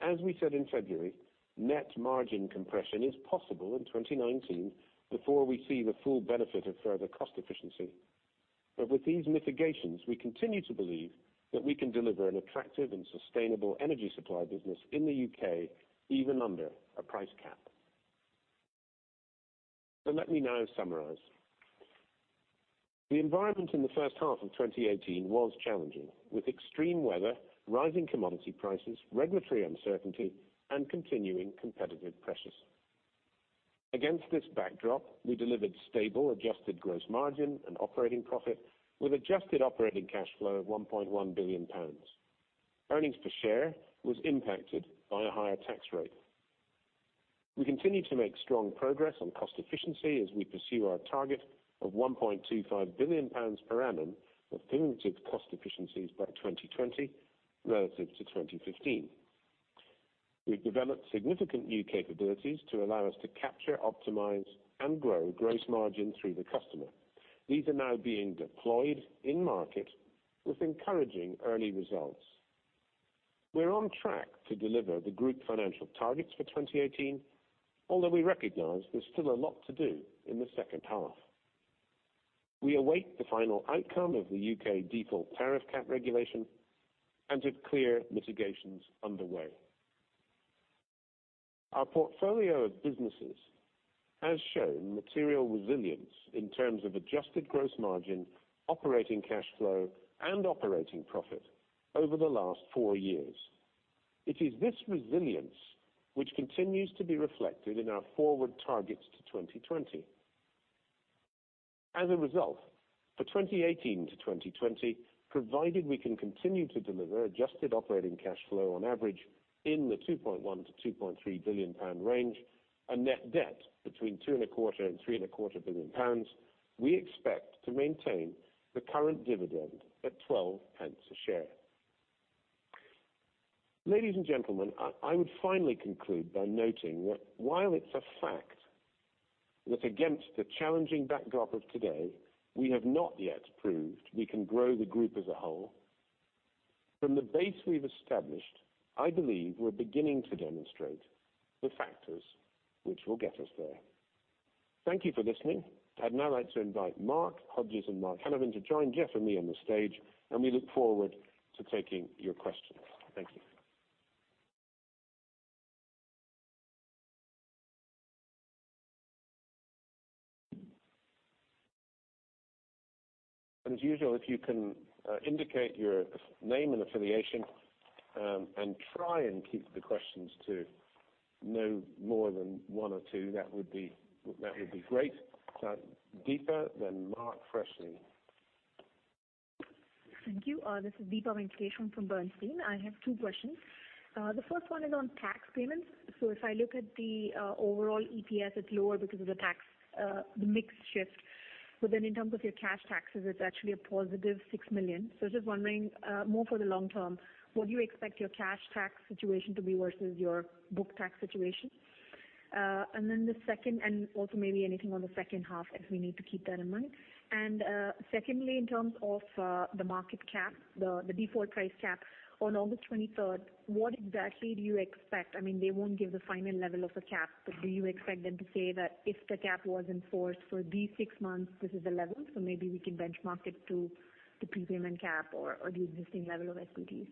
as we said in February, net margin compression is possible in 2019 before we see the full benefit of further cost efficiency. With these mitigations, we continue to believe that we can deliver an attractive and sustainable energy supply business in the U.K., even under a price cap. Let me now summarize. The environment in the first half of 2018 was challenging, with extreme weather, rising commodity prices, regulatory uncertainty, and continuing competitive pressures. Against this backdrop, we delivered stable adjusted gross margin and operating profit with adjusted operating cash flow of 1.1 billion pounds. Earnings per share was impacted by a higher tax rate. We continue to make strong progress on cost efficiency as we pursue our target of 1.25 billion pounds per annum of cumulative cost efficiencies by 2020 relative to 2015. We've developed significant new capabilities to allow us to capture, optimize, and grow gross margin through the customer. These are now being deployed in-market with encouraging early results. We're on track to deliver the group financial targets for 2018, although we recognize there's still a lot to do in the second half. We await the final outcome of the U.K. default tariff cap regulation and have clear mitigations underway. Our portfolio of businesses has shown material resilience in terms of adjusted gross margin, operating cash flow, and operating profit over the last four years. It is this resilience which continues to be reflected in our forward targets to 2020. As a result, for 2018 to 2020, provided we can continue to deliver adjusted operating cash flow on average in the 2.1 billion-2.3 billion pound range and net debt between 2.25 billion pounds and GBP 3.25 billion, we expect to maintain the current dividend at 0.12 a share. Ladies and gentlemen, I would finally conclude by noting that while it's a fact that against the challenging backdrop of today, we have not yet proved we can grow the group as a whole. From the base we've established, I believe we're beginning to demonstrate the factors which will get us there. Thank you for listening. I'd now like to invite Mark Hodges and Mark Hanafin to join Jeff and me on the stage, and we look forward to taking your questions. Thank you. As usual, if you can indicate your name and affiliation, and try and keep the questions to no more than one or two, that would be great. Deepa, then Mark Freshney. Thank you. This is Deepa Venkateswaran from Bernstein. I have two questions. The first one is on tax payments. If I look at the overall EPS, it's lower because of the mix shift. In terms of your cash taxes, it's actually a positive 6 million. I was just wondering, more for the long term, what do you expect your cash tax situation to be versus your book tax situation? Also maybe anything on the second half as we need to keep that in mind. Secondly, in terms of the market cap, the default price cap on August 23rd, what exactly do you expect? They won't give the final level of the cap, but do you expect them to say that if the cap was enforced for these 6 months, this is the level, maybe we can benchmark it to the prepayment cap or the existing level of SVTs.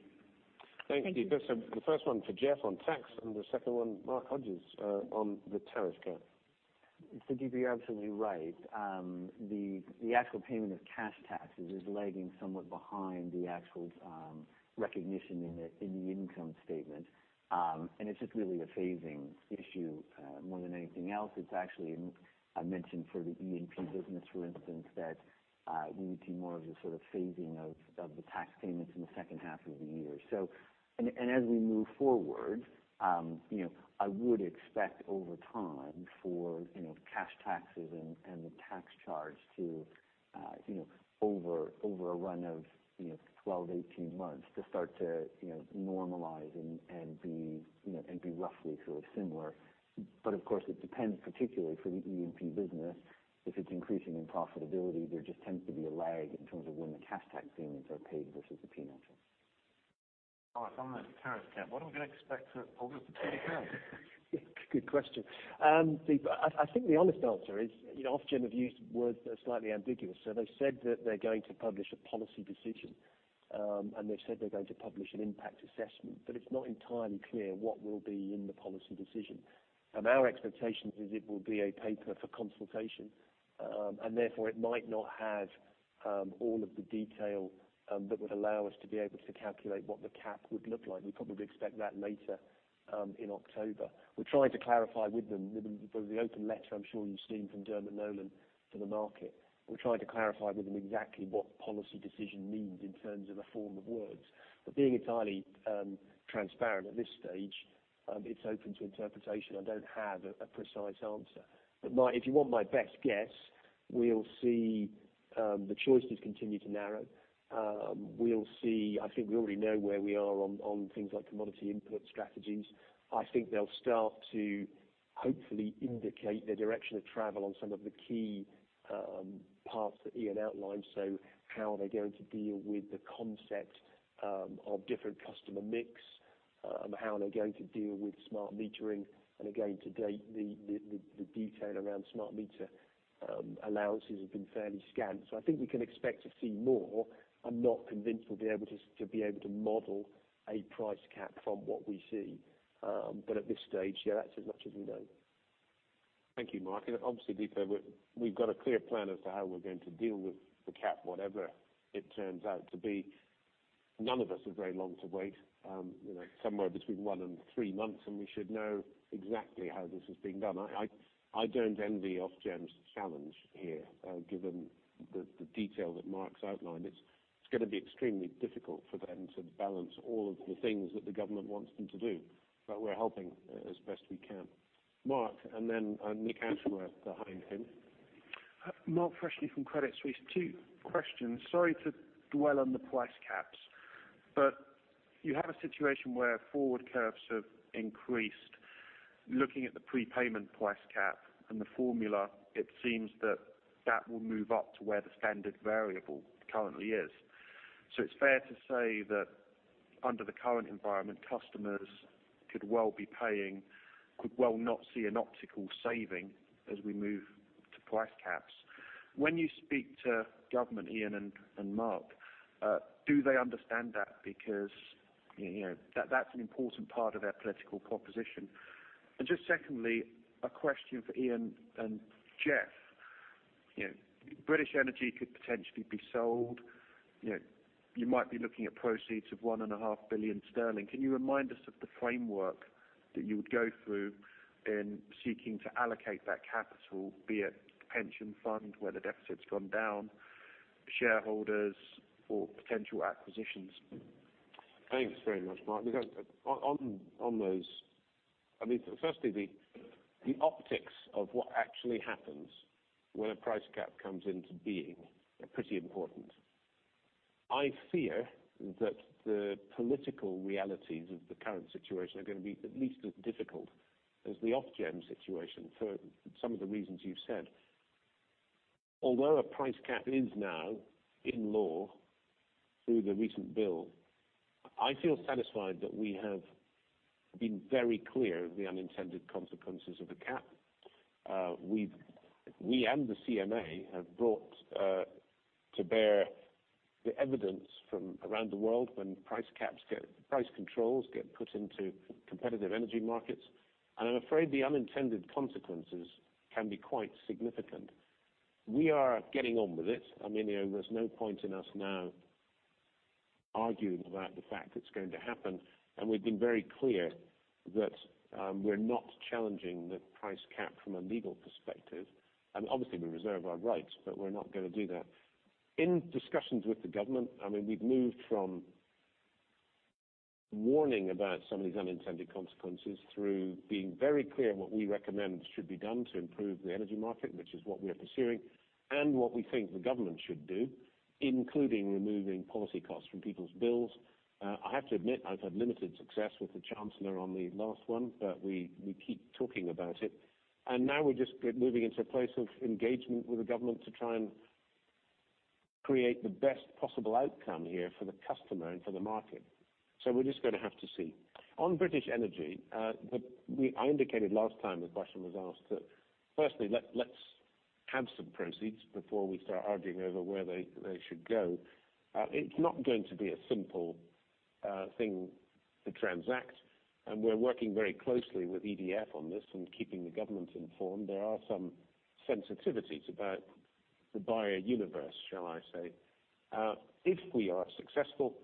Thank you, Deepa. The first one for Jeff on tax, and the second one, Mark Hodges on the tariff cap. Deepa, you're absolutely right. The actual payment of cash taxes is lagging somewhat behind the actual recognition in the income statement. It's just really a phasing issue more than anything else. It's actually, I mentioned for the E&P business, for instance, that you would see more of the phasing of the tax payments in the second half of the year. As we move forward, I would expect over time for cash taxes and the tax charge to, over a run of 12, 18 months, to start to normalize and be roughly similar. Of course, it depends particularly for the E&P business, if it's increasing in profitability, there just tends to be a lag in terms of when the cash tax payments are paid versus the P&L. All right. On the tariff cap, what are we going to expect for August 23rd? Good question, Deepa. I think the honest answer is, Ofgem have used words that are slightly ambiguous. They've said that they're going to publish a policy decision, and they've said they're going to publish an impact assessment. It's not entirely clear what will be in the policy decision. Our expectation is it will be a paper for consultation. Therefore it might not have all of the detail that would allow us to be able to calculate what the cap would look like. We probably expect that later in October. We're trying to clarify with them with the open letter I'm sure you've seen from Dermot Nolan to the market. We're trying to clarify with them exactly what policy decision means in terms of a form of words. Being entirely transparent at this stage, it's open to interpretation. I don't have a precise answer. If you want my best guess, we'll see the choices continue to narrow. I think we already know where we are on things like commodity input strategies. I think they'll start to hopefully indicate the direction of travel on some of the key parts that Ian outlined. How are they going to deal with the concept of different customer mix, how are they going to deal with smart metering? Again, to date the detail around smart meter allowances have been fairly scant. I think we can expect to see more. I'm not convinced we'll be able to model a price cap from what we see. At this stage, yeah, that's as much as we know. Thank you, Mark. Obviously, Deepa, we've got a clear plan as to how we're going to deal with the cap, whatever it turns out to be. None of us are very long to wait. Somewhere between one and three months, we should know exactly how this is being done. I don't envy Ofgem's challenge here, given the detail that Mark's outlined. It's going to be extremely difficult for them to balance all of the things that the government wants them to do. We're helping as best we can. Mark, and then Nick Ashworth behind him. Mark Freshney from Credit Suisse. Two questions. Sorry to dwell on the price caps, you have a situation where forward curves have increased. Looking at the prepayment price cap and the formula, it seems that that will move up to where the standard variable currently is. It's fair to say that under the current environment, customers could well not see an optical saving as we move to price caps. When you speak to government, Iain and Mark, do they understand that? That's an important part of their political proposition. Just secondly, a question for Iain and Jeff. British Energy could potentially be sold. You might be looking at proceeds of 1.5 billion sterling. Can you remind us of the framework that you would go through in seeking to allocate that capital, be it pension fund, where the deficit's gone down, shareholders or potential acquisitions? Thanks very much, Mark. On those, firstly the optics of what actually happens when a price cap comes into being are pretty important. I fear that the political realities of the current situation are going to be at least as difficult as the Ofgem situation for some of the reasons you've said. Although a price cap is now in law through the recent bill, I feel satisfied that we have been very clear of the unintended consequences of a cap. We and the CMA have brought to bear the evidence from around the world when price controls get put into competitive energy markets, I'm afraid the unintended consequences can be quite significant. We are getting on with it. There's no point in us now arguing about the fact it's going to happen, we've been very clear that we're not challenging the price cap from a legal perspective. Obviously we reserve our rights, we're not going to do that. In discussions with the government, we've moved from warning about some of these unintended consequences through being very clear what we recommend should be done to improve the energy market, which is what we are pursuing, what we think the government should do, including removing policy costs from people's bills. I have to admit, I've had limited success with the Chancellor on the last one, we keep talking about it, now we're just moving into a place of engagement with the government to try and create the best possible outcome here for the customer and for the market. We're just going to have to see. On British Energy, I indicated last time the question was asked that firstly let's have some proceeds before we start arguing over where they should go. It's not going to be a simple thing to transact, and we're working very closely with EDF on this and keeping the government informed. There are some sensitivities about the buyer universe, shall I say. If we are successful,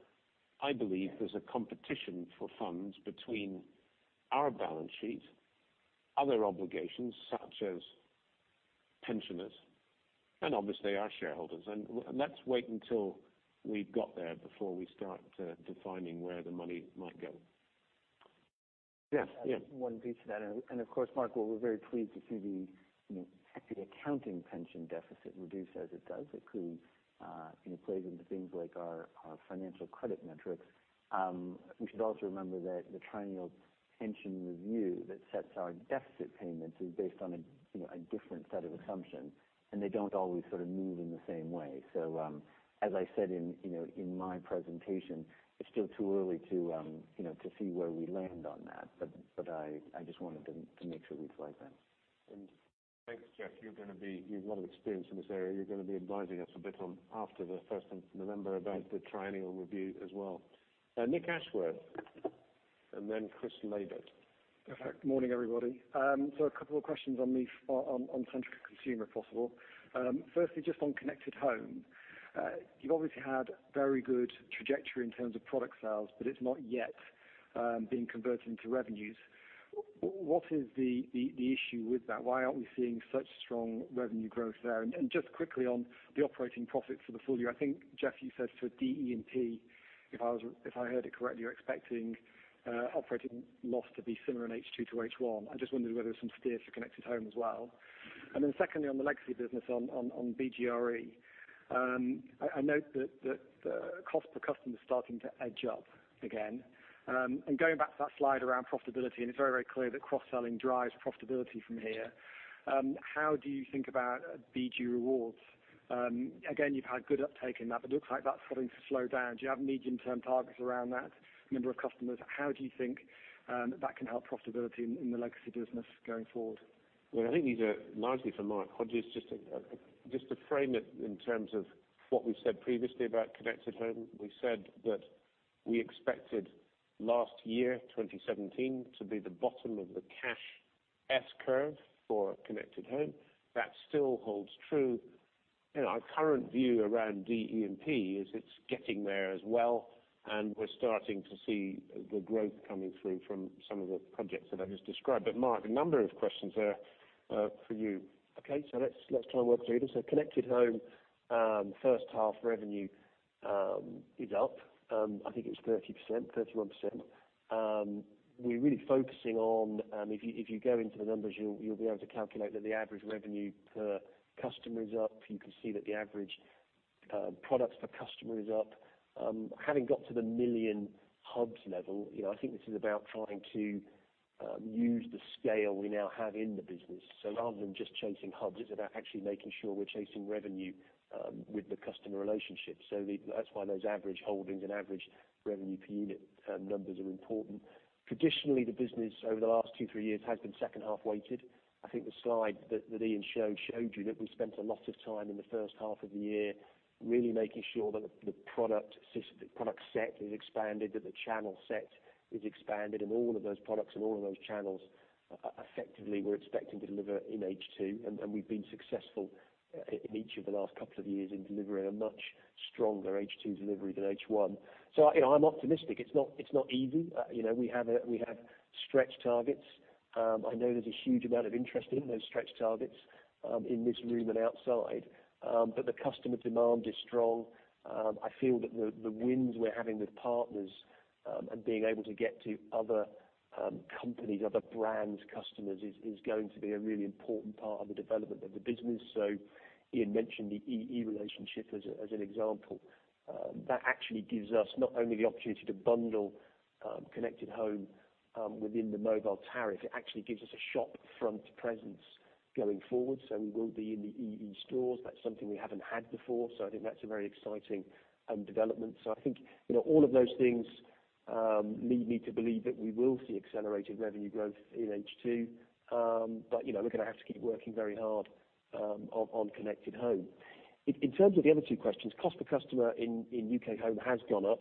I believe there's a competition for funds between our balance sheet, other obligations such as pensioners, and obviously our shareholders. Let's wait until we've got there before we start defining where the money might go. Jeff? Yeah. One piece to that, and of course, Mark, while we're very pleased to see the accounting pension deficit reduce as it does, it clearly plays into things like our financial credit metrics. We should also remember that the triennial pension review that sets our deficit payments is based on a different set of assumptions, and they don't always sort of move in the same way. As I said in my presentation, it's still too early to see where we land on that. I just wanted to make sure we flagged that. Thanks, Jeff. You've got experience in this area. You're going to be advising us a bit after the 1st of November about the triennial review as well. Nicholas Ashworth and then Christopher Laybutt. Perfect. Good morning, everybody. A couple of questions on Centrica Consumer, if possible. Firstly, just on Connected Home. You've obviously had very good trajectory in terms of product sales, but it's not yet being converted into revenues. What is the issue with that? Why aren't we seeing such strong revenue growth there? Just quickly on the operating profits for the full year, I think Jeff, you said for DE&P, if I heard it correctly, you're expecting operating loss to be similar in H2 to H1. I just wondered whether there was some steer for Connected Home as well. Then secondly, on the legacy business on BGRE. I note that the cost per customer is starting to edge up again. Going back to that slide around profitability, and it's very clear that cross-selling drives profitability from here. How do you think about BG Rewards? You've had good uptake in that, but it looks like that's starting to slow down. Do you have medium-term targets around that number of customers? How do you think that can help profitability in the legacy business going forward? Well, I think these are largely for Mark Hodges. Just to frame it in terms of what we've said previously about Connected Home. We said that we expected last year, 2017, to be the bottom of the cash S-curve for Connected Home. That still holds true. Our current view around DE&P is it's getting there as well, and we're starting to see the growth coming through from some of the projects that I just described. Mark, a number of questions there for you. Okay. Let's try and work through this. Connected Home first half revenue is up. I think it was 30%, 31%. We're really focusing on, if you go into the numbers, you'll be able to calculate that the average revenue per customer is up. You can see that the average products per customer is up. Having got to the million hubs level, I think this is about trying to use the scale we now have in the business. Rather than just chasing hubs, it's about actually making sure we're chasing revenue with the customer relationship. That's why those average holdings and average revenue per unit numbers are important. Traditionally, the business over the last two, three years has been second half weighted. I think the slide that Iain showed you, that we spent a lot of time in the first half of the year, really making sure that the product set is expanded, that the channel set is expanded, and all of those products and all of those channels effectively we're expecting to deliver in H2, and we've been successful in each of the last couple of years in delivering a much stronger H2 delivery than H1. I'm optimistic. It's not even. We have stretch targets. I know there's a huge amount of interest in those stretch targets, in this room and outside. The customer demand is strong. I feel that the wins we're having with partners, and being able to get to other companies, other brands, customers, is going to be a really important part of the development of the business. Iain mentioned the EE relationship as an example. That actually gives us not only the opportunity to bundle Connected Home within the mobile tariff, it actually gives us a shop front presence going forward. We will be in the EE stores. That's something we haven't had before. I think that's a very exciting development. I think all of those things lead me to believe that we will see accelerated revenue growth in H2. We're going to have to keep working very hard on Connected Home. In terms of the other two questions, cost per customer in UK Home has gone up.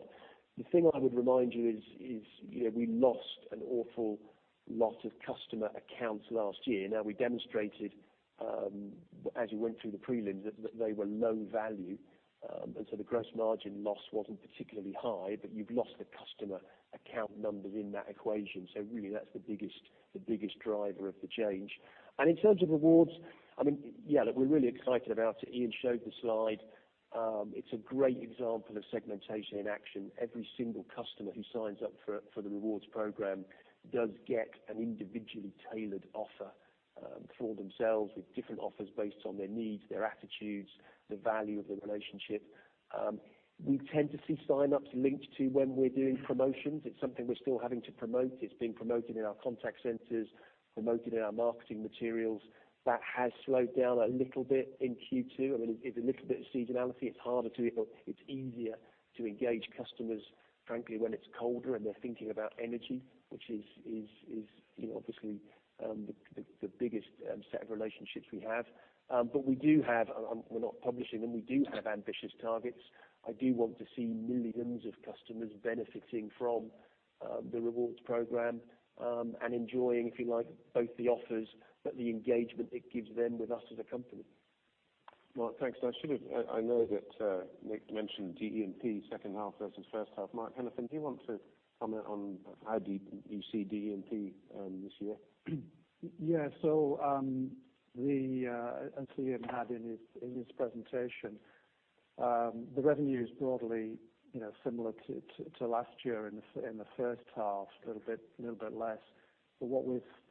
The thing I would remind you is we lost an awful lot of customer accounts last year. Now, we demonstrated, as you went through the prelims, that they were low value. The gross margin loss wasn't particularly high, but you've lost the customer account numbers in that equation. Really, that's the biggest driver of the change. In terms of British Gas Rewards, we're really excited about it. Iain showed the slide. It's a great example of segmentation in action. Every single customer who signs up for the British Gas Rewards program does get an individually tailored offer for themselves with different offers based on their needs, their attitudes, the value of the relationship. We tend to see sign-ups linked to when we're doing promotions. It's something we're still having to promote. It's being promoted in our contact centers, promoted in our marketing materials. That has slowed down a little bit in Q2. It's a little bit of seasonality. It's easier to engage customers, frankly, when it's colder and they're thinking about energy, which is obviously the biggest set of relationships we have. We're not publishing them. We do have ambitious targets. I do want to see millions of customers benefiting from the British Gas Rewards program, and enjoying, if you like, both the offers, but the engagement it gives them with us as a company. Mark, thanks. I know that Nick mentioned D, E, and P second half versus first half. Mark, anything you want to comment on how you see D, E, and P this year? Yeah. As Iain had in his presentation, the revenue is broadly similar to last year in the first half, a little bit less.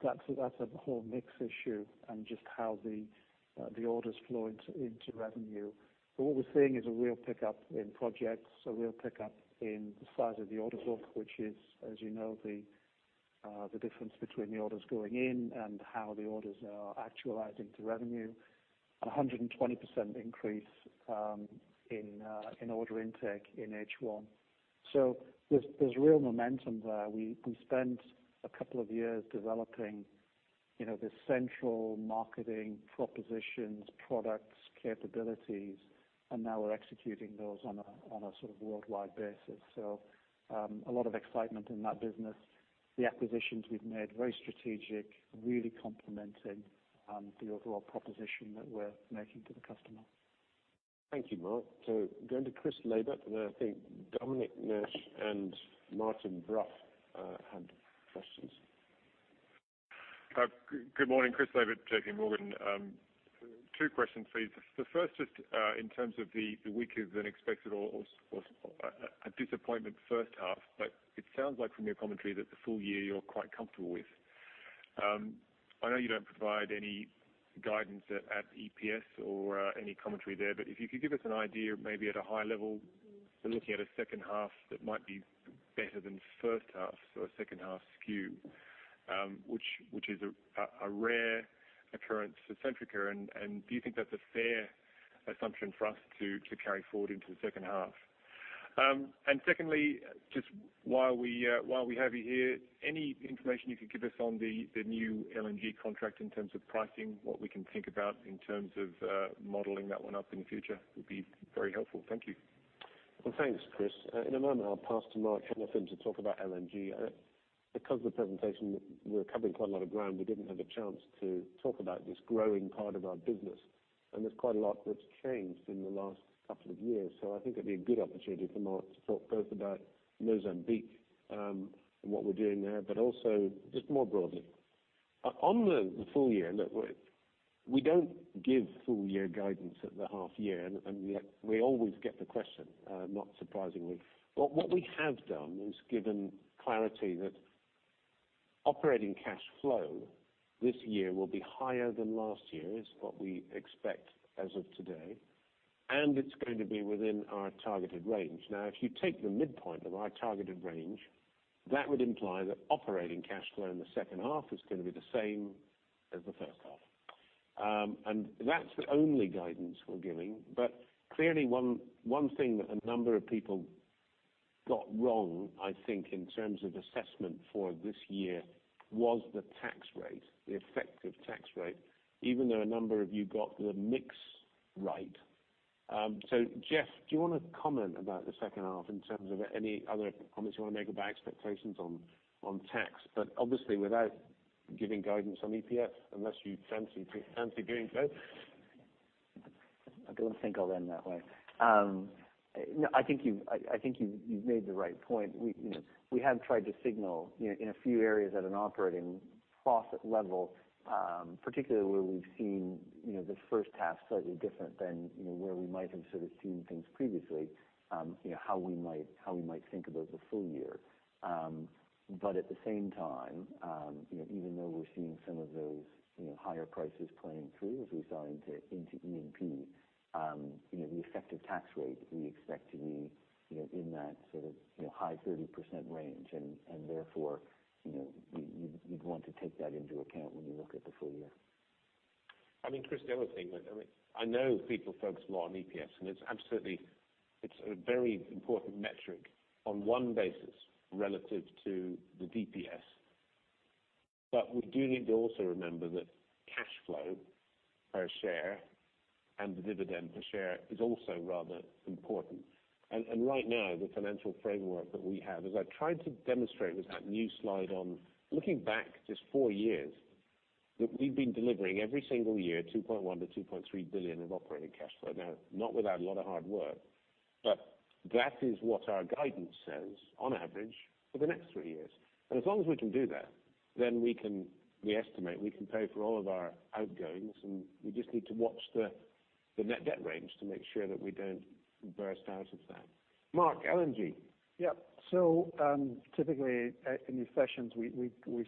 That's a whole mix issue and just how the orders flow into revenue. What we're seeing is a real pickup in projects, a real pickup in the size of the order book, which is, as you know, the difference between the orders going in and how the orders are actualized into revenue. A 120% increase in order intake in H1. There's real momentum there. We spent a couple of years developing the Centrica marketing propositions, products, capabilities, and now we're executing those on a sort of worldwide basis. A lot of excitement in that business. The acquisitions we've made, very strategic, really complementing the overall proposition that we're making to the customer. Thank you, Mark. Going to Chris Laybutt, and then I think Dominic Nash and Martin Brough have questions. Good morning, Chris Laybutt, J.P. Morgan. Two questions, please. The first, just in terms of the weaker than expected or a disappointment first half, it sounds like from your commentary that the full year you're quite comfortable with. I know you don't provide any guidance at EPS or any commentary there, but if you could give us an idea, maybe at a high level, we're looking at a second half that might be better than first half, so a second half skew, which is a rare occurrence for Centrica. Do you think that's a fair assumption for us to carry forward into the second half? Secondly, just while we have you here, any information you could give us on the new LNG contract in terms of pricing, what we can think about in terms of modeling that one up in the future would be very helpful. Thank you. Well, thanks, Chris. In a moment, I'll pass to Mark Hanafin to talk about LNG. Because of the presentation, we were covering quite a lot of ground, we didn't have a chance to talk about this growing part of our business. There's quite a lot that's changed in the last couple of years. I think it'd be a good opportunity for Mark to talk both about Mozambique, and what we're doing there, but also just more broadly. On the full year, look, we don't give full-year guidance at the half year, and yet we always get the question, not surprisingly. What we have done is given clarity that operating cash flow this year will be higher than last year, is what we expect as of today, and it's going to be within our targeted range. Now, if you take the midpoint of our targeted range, that would imply that operating cash flow in the second half is going to be the same as the first half. That's the only guidance we're giving. Clearly, one thing that a number of people got wrong, I think in terms of assessment for this year was the tax rate, the effective tax rate, even though a number of you got the mix right. Jeff, do you want to comment about the second half in terms of any other comments you want to make about expectations on tax? Obviously, without giving guidance on EPS, unless you fancy doing so. I don't think I'll end that way. No, I think you've made the right point. We have tried to signal in a few areas at an operating profit level, particularly where we've seen the first half slightly different than where we might have sort of seen things previously, how we might think about the full year. At the same time, even though we're seeing some of those higher prices playing through as we sell into E&P, the effective tax rate, we expect to be in that sort of high 30% range. Therefore, you'd want to take that into account when you look at the full year. I mean, Chris, the other thing, I know people focus more on EPS, and it's a very important metric on one basis relative to the DPS. We do need to also remember that cash flow per share and the dividend per share is also rather important. Right now, the financial framework that we have, as I tried to demonstrate with that new slide on looking back just four years, that we've been delivering every single year 2.1 billion to 2.3 billion of operating cash flow. Now, not without a lot of hard work, but that is what our guidance says on average for the next three years. As long as we can do that, then we estimate we can pay for all of our outgoings, and we just need to watch the net debt range to make sure that we don't burst out of that. Mark, LNG. Typically, in these sessions, we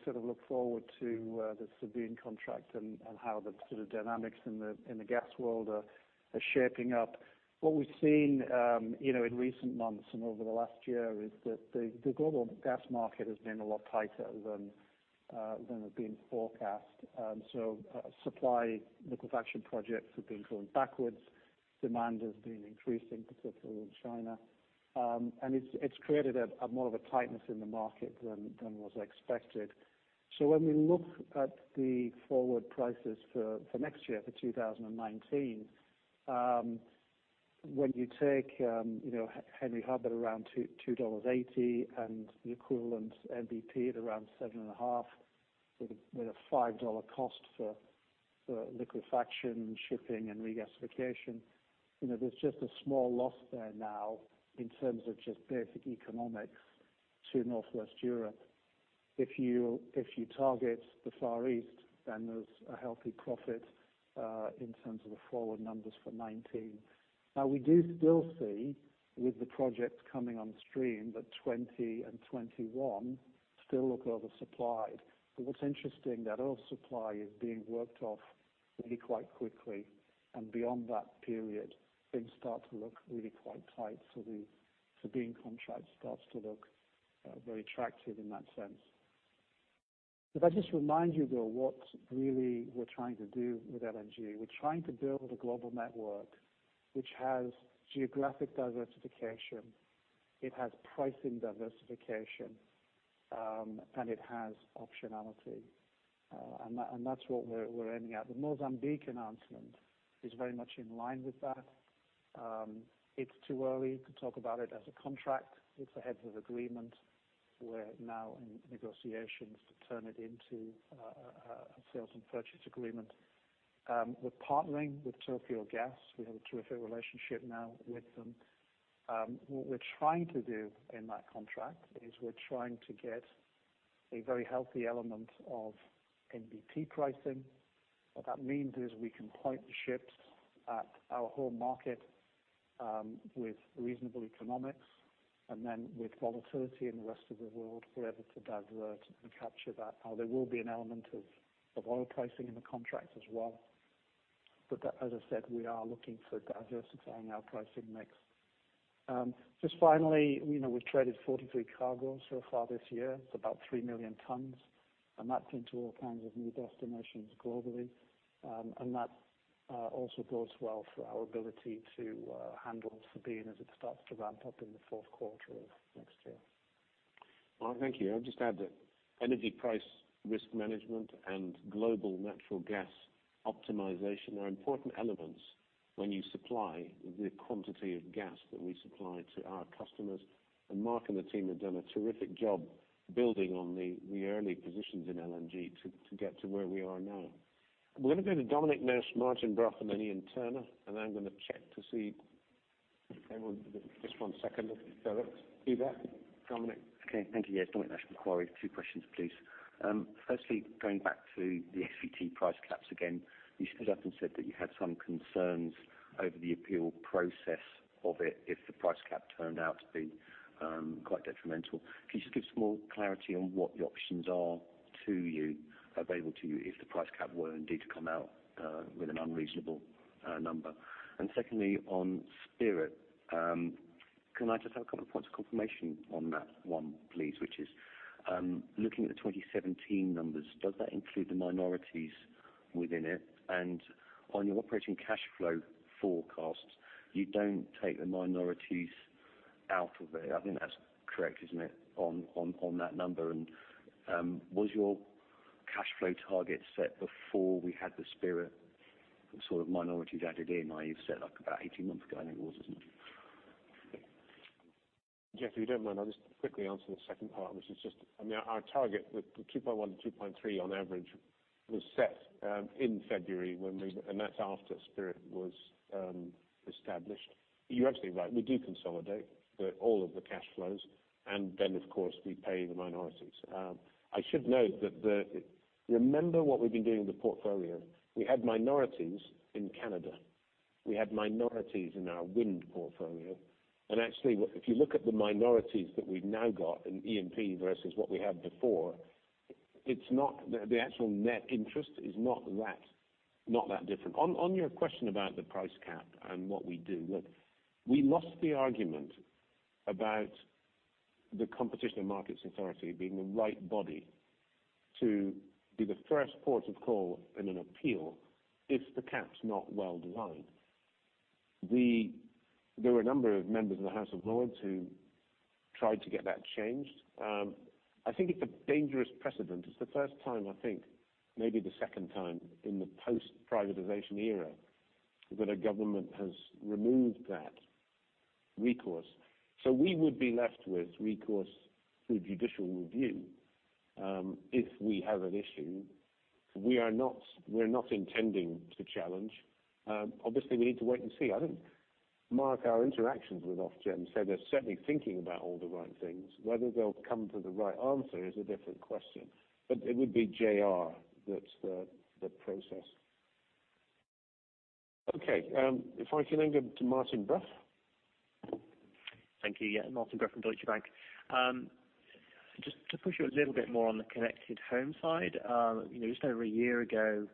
sort of look forward to the Sabine contract and how the sort of dynamics in the gas world are shaping up. What we've seen in recent months and over the last year is that the global gas market has been a lot tighter than had been forecast. Supply liquefaction projects have been going backwards. Demand has been increasing, particularly in China. It's created a more of a tightness in the market than was expected. When we look at the forward prices for next year, for 2019, when you take Henry Hub at around $2.80 and the equivalent NBP at around GBP 7.5 with a $5 cost for liquefaction, shipping, and regasification, there's just a small loss there now in terms of just basic economics to Northwest Europe. If you target the Far East, there's a healthy profit, in terms of the forward numbers for 2019. We do still see with the projects coming on stream that 2020 and 2021 still look oversupplied. What's interesting, that oversupply is being worked off really quite quickly, and beyond that period, things start to look really quite tight. The Sabine contract starts to look very attractive in that sense. If I just remind you, though, what really we're trying to do with LNG. We're trying to build a global network which has geographic diversification, it has pricing diversification, and it has optionality. That's what we're aiming at. The Mozambique announcement is very much in line with that. It's too early to talk about it as a contract. It's a heads of agreement. We're now in negotiations to turn it into a sales and purchase agreement. We're partnering with Tokyo Gas. We have a terrific relationship now with them. What we're trying to do in that contract is we're trying to get a very healthy element of NBP pricing. What that means is we can point the ships at our home market with reasonable economics, and then with volatility in the rest of the world, we're able to divert and capture that. There will be an element of oil pricing in the contract as well. As I said, we are looking for diversifying our pricing mix. Just finally, we've traded 43 cargoes so far this year. It's about 3 million tons, and that's into all kinds of new destinations globally. That also bodes well for our ability to handle Sabine as it starts to ramp up in the fourth quarter of next year. Mark, thank you. I'll just add that energy price risk management and global natural gas optimization are important elements when you supply the quantity of gas that we supply to our customers. Mark and the team have done a terrific job building on the early positions in LNG to get to where we are now. I'm going to go to Dominic Nash, Martin Brough, then Iain Turner, then I'm going to check to see if anyone Just one second. Philip, are you there? Dominic? Okay. Thank you. Yes, Dominic Nash from Macquarie. Two questions, please. Firstly, going back to the SVT price caps again, you stood up and said that you had some concerns over the appeal process of it if the price cap turned out to be quite detrimental. Can you just give some more clarity on what the options are available to you if the price cap were indeed to come out with an unreasonable number? Secondly, on Spirit, can I just have a couple of points of confirmation on that one, please, which is looking at the 2017 numbers, does that include the minorities within it? On your operating cash flow forecast, you don't take the minorities out of it. I think that's correct, isn't it, on that number? Was your cash flow target set before we had the Spirit sort of minorities added in, i.e., you set up about 18 months ago, I think it was, isn't it? Jeff, if you don't mind, I'll just quickly answer the second part, which is just, our target with 2.1 to 2.3 on average was set in February, and that's after Spirit was established. You're absolutely right. We do consolidate all of the cash flows, and then, of course, we pay the minorities. I should note that, remember what we've been doing with the portfolio. We had minorities in Canada. We had minorities in our wind portfolio. Actually, if you look at the minorities that we've now got in E&P versus what we had before, the actual net interest is not that different. On your question about the price cap and what we do, look, we lost the argument about the Competition and Markets Authority being the right body to be the first port of call in an appeal if the cap's not well designed. There were a number of members of the House of Lords who tried to get that changed. I think it's a dangerous precedent. It's the first time, I think, maybe the second time, in the post-privatization era that a government has removed that recourse. We would be left with recourse through judicial review if we have an issue. We're not intending to challenge. Obviously, we need to wait and see. I think, Mark, our interactions with Ofgem said they're certainly thinking about all the right things. Whether they'll come to the right answer is a different question. It would be JR, the process. Okay. If I can then go to Martin Brough. Thank you. Yeah. Martin Brough from Deutsche Bank. Just to push you a little bit more on the Connected Home side. Just over a year ago,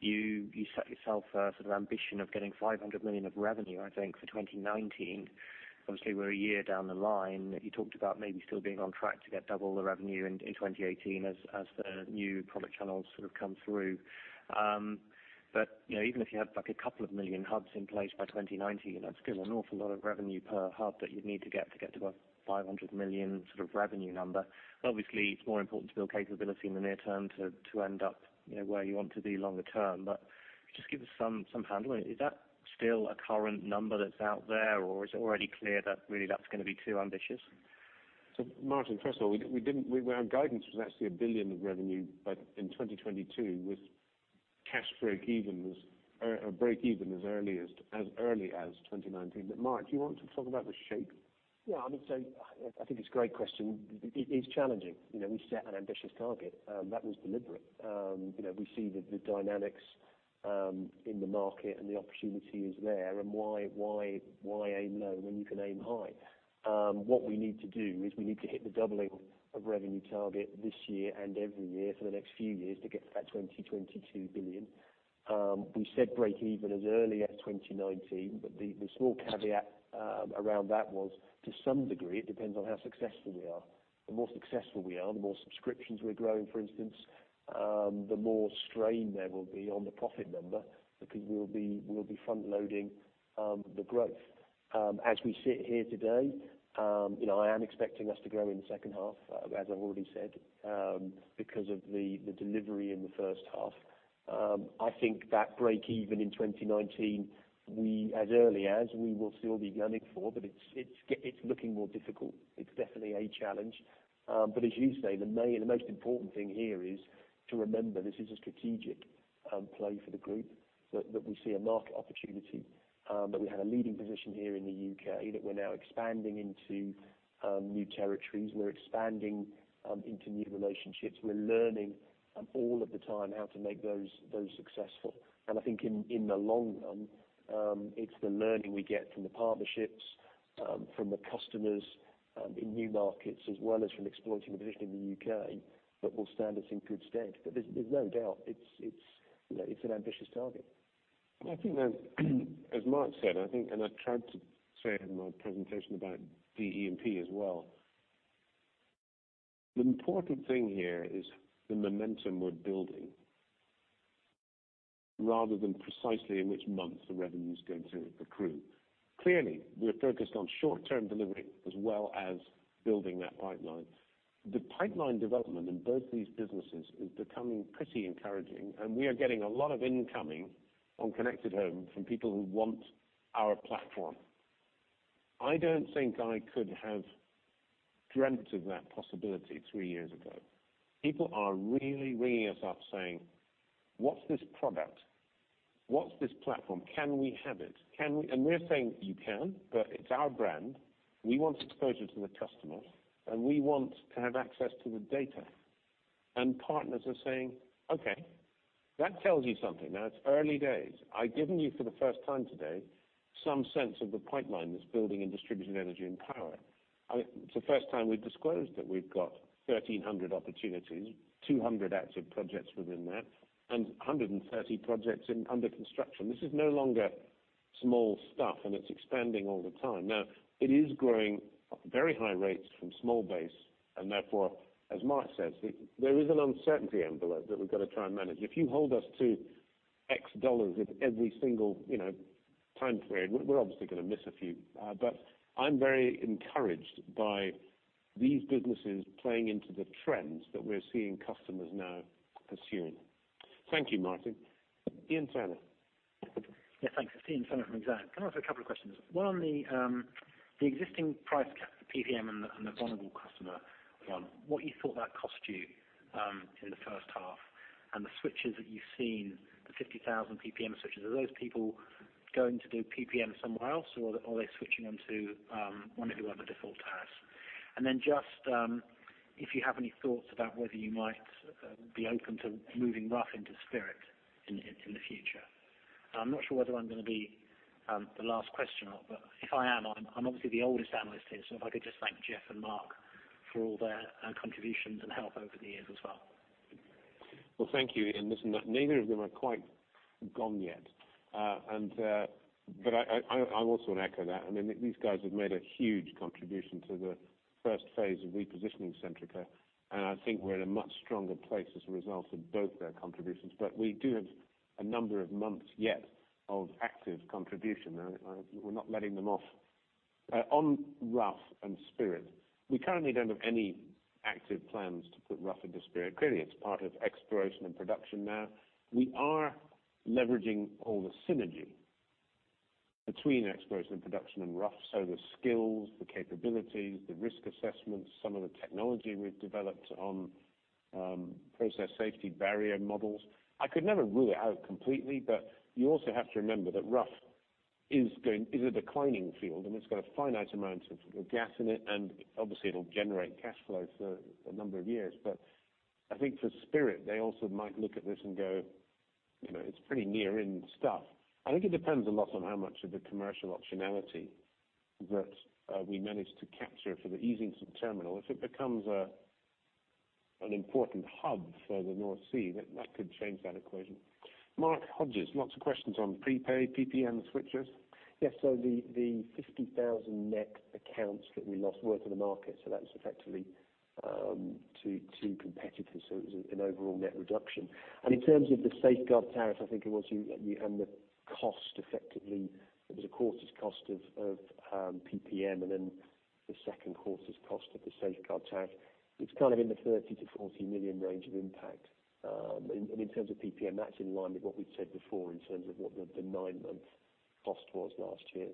you set yourself a sort of ambition of getting 500 million of revenue, I think, for 2019. Obviously, we're a year down the line. You talked about maybe still being on track to get double the revenue in 2018 as the new product channels sort of come through. Even if you had like a couple of million hubs in place by 2019, that's still an awful lot of revenue per hub that you'd need to get to a 500 million sort of revenue number. Obviously, it's more important to build capability in the near term to end up where you want to be longer term. Just give us some handle. Is that still a current number that's out there, or is it already clear that really that's going to be too ambitious? Martin, first of all, our guidance was actually 1 billion of revenue, in 2022, with cash break even as early as 2019. Mark, do you want to talk about the shape? I mean, I think it's a great question. It is challenging. We set an ambitious target. That was deliberate. We see the dynamics in the market, the opportunity is there, and why aim low when you can aim high? What we need to do is we need to hit the doubling of revenue target this year and every year for the next few years to get to that 2022 billion. We said break even as early as 2019, but the small caveat around that was, to some degree, it depends on how successful we are. The more successful we are, the more subscriptions we're growing, for instance, the more strain there will be on the profit number, because we'll be front-loading the growth. As we sit here today, I am expecting us to grow in the second half, as I've already said because of the delivery in the first half. I think that break even in 2019, as early as, we will still be gunning for, but it's looking more difficult. It's definitely a challenge. As you say, the most important thing here is to remember this is a strategic play for the group, that we see a market opportunity, that we had a leading position here in the U.K., that we're now expanding into new territories. We're expanding into new relationships. We're learning all of the time how to make those successful. I think in the long run, it's the learning we get from the partnerships, from the customers, in new markets, as well as from exploiting the position in the U.K., that will stand us in good stead. There's no doubt, it's an ambitious target. I think as Mark said, I tried to say it in my presentation about DE&P as well, the important thing here is the momentum we're building rather than precisely in which month the revenue's going to accrue. Clearly, we are focused on short-term delivery as well as building that pipeline. The pipeline development in both these businesses is becoming pretty encouraging, we are getting a lot of incoming on Connected Home from people who want our platform. I don't think I could have dreamt of that possibility three years ago. People are really ringing us up saying, "What's this product? What's this platform? Can we have it?" We are saying, "You can, but it's our brand. We want exposure to the customers, and we want to have access to the data." Partners are saying, okay. That tells you something. Now, it's early days. I've given you, for the first time today, some sense of the pipeline that's building in Distributed Energy & Power. It's the first time we've disclosed that we've got 1,300 opportunities, 200 active projects within that, 130 projects under construction. This is no longer small stuff, it's expanding all the time. Now it is growing at very high rates from small base, therefore, as Mark says, there is an uncertainty envelope that we've got to try and manage. If you hold us to X GBP with every single time frame, we're obviously going to miss a few. I'm very encouraged by these businesses playing into the trends that we're seeing customers now pursuing. Thank you, Martin. Iain Turner. Yes, thanks. It's Iain Turner from Exane. Can I ask a couple of questions? One on the existing price cap for PPM and the vulnerable customer one, what you thought that cost you in the first half and the switches that you've seen, the 50,000 PPM switches. Are those people going to do PPM somewhere else, or are they switching them to one of the other default tariffs? Then just if you have any thoughts about whether you might be open to moving Rough into Spirit in the future. I'm not sure whether I'm going to be the last questioner, but if I am, I'm obviously the oldest analyst here, so if I could just thank Jeff and Mark for all their contributions and help over the years as well. Thank you, Ian. Listen, neither of them are quite gone yet. I also want to echo that. These guys have made a huge contribution to the first phase of repositioning Centrica, and I think we're in a much stronger place as a result of both their contributions. We do have a number of months yet of active contribution. We're not letting them off. On Rough and Spirit, we currently don't have any active plans to put Rough into Spirit. Clearly, it's part of Exploration and Production now. We are leveraging all the synergy between Exploration and Production and Rough. The skills, the capabilities, the risk assessments, some of the technology we've developed on process safety barrier models. I could never rule it out completely, but you also have to remember that Rough is a declining field, and it's got a finite amount of gas in it, and obviously, it'll generate cash flow for a number of years. I think for Spirit, they also might look at this and go, it's pretty near-end stuff. I think it depends a lot on how much of the commercial optionality that we manage to capture for the Easington terminal. If it becomes an important hub for the North Sea, that could change that equation. Mark Hodges, lots of questions on prepaid, PPM, and switchers. Yes. The 50,000 net accounts that we lost were to the market, so that was effectively to competitors. It was an overall net reduction. In terms of the safeguard tariff, I think it was you, and the cost, effectively, it was a quarter's cost of PPM, and then the second quarter's cost of the safeguard tariff. It's in the 30 million-40 million range of impact. In terms of PPM, that's in line with what we've said before in terms of what the 9-month cost was last year.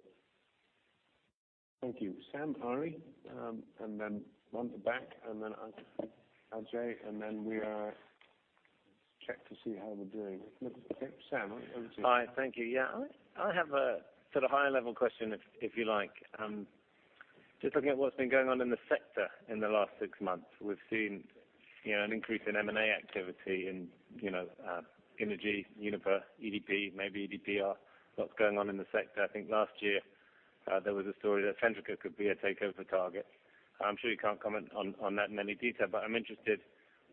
Thank you. Sam Arie, then round the back, then Ajay, then we are checking to see how we're doing. Sam, over to you. Hi. Thank you. Yeah. I have a sort of high-level question, if you like. Just looking at what's been going on in the sector in the last six months, we've seen an increase in M&A activity in Innogy, Uniper, EDP, maybe EDPR, lots going on in the sector. I think last year there was a story that Centrica could be a takeover target. I'm sure you can't comment on that in any detail, but I'm interested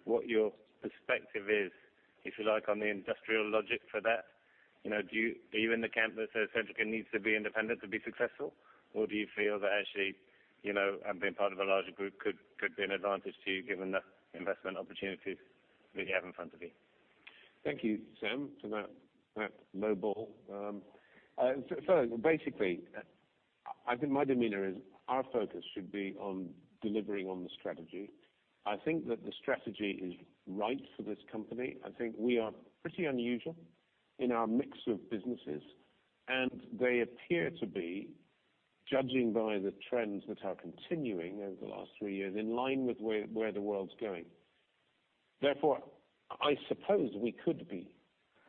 what your perspective is, if you like, on the industrial logic for that. Are you in the camp that says Centrica needs to be independent to be successful? Or do you feel that actually, and being part of a larger group could be an advantage to you given the investment opportunities that you have in front of you? Thank you, Sam, for that low ball. Basically, I think my demeanor is our focus should be on delivering on the strategy. I think that the strategy is right for this company. I think we are pretty unusual in our mix of businesses, and they appear to be, judging by the trends that are continuing over the last three years, in line with where the world's going. Therefore, I suppose we could be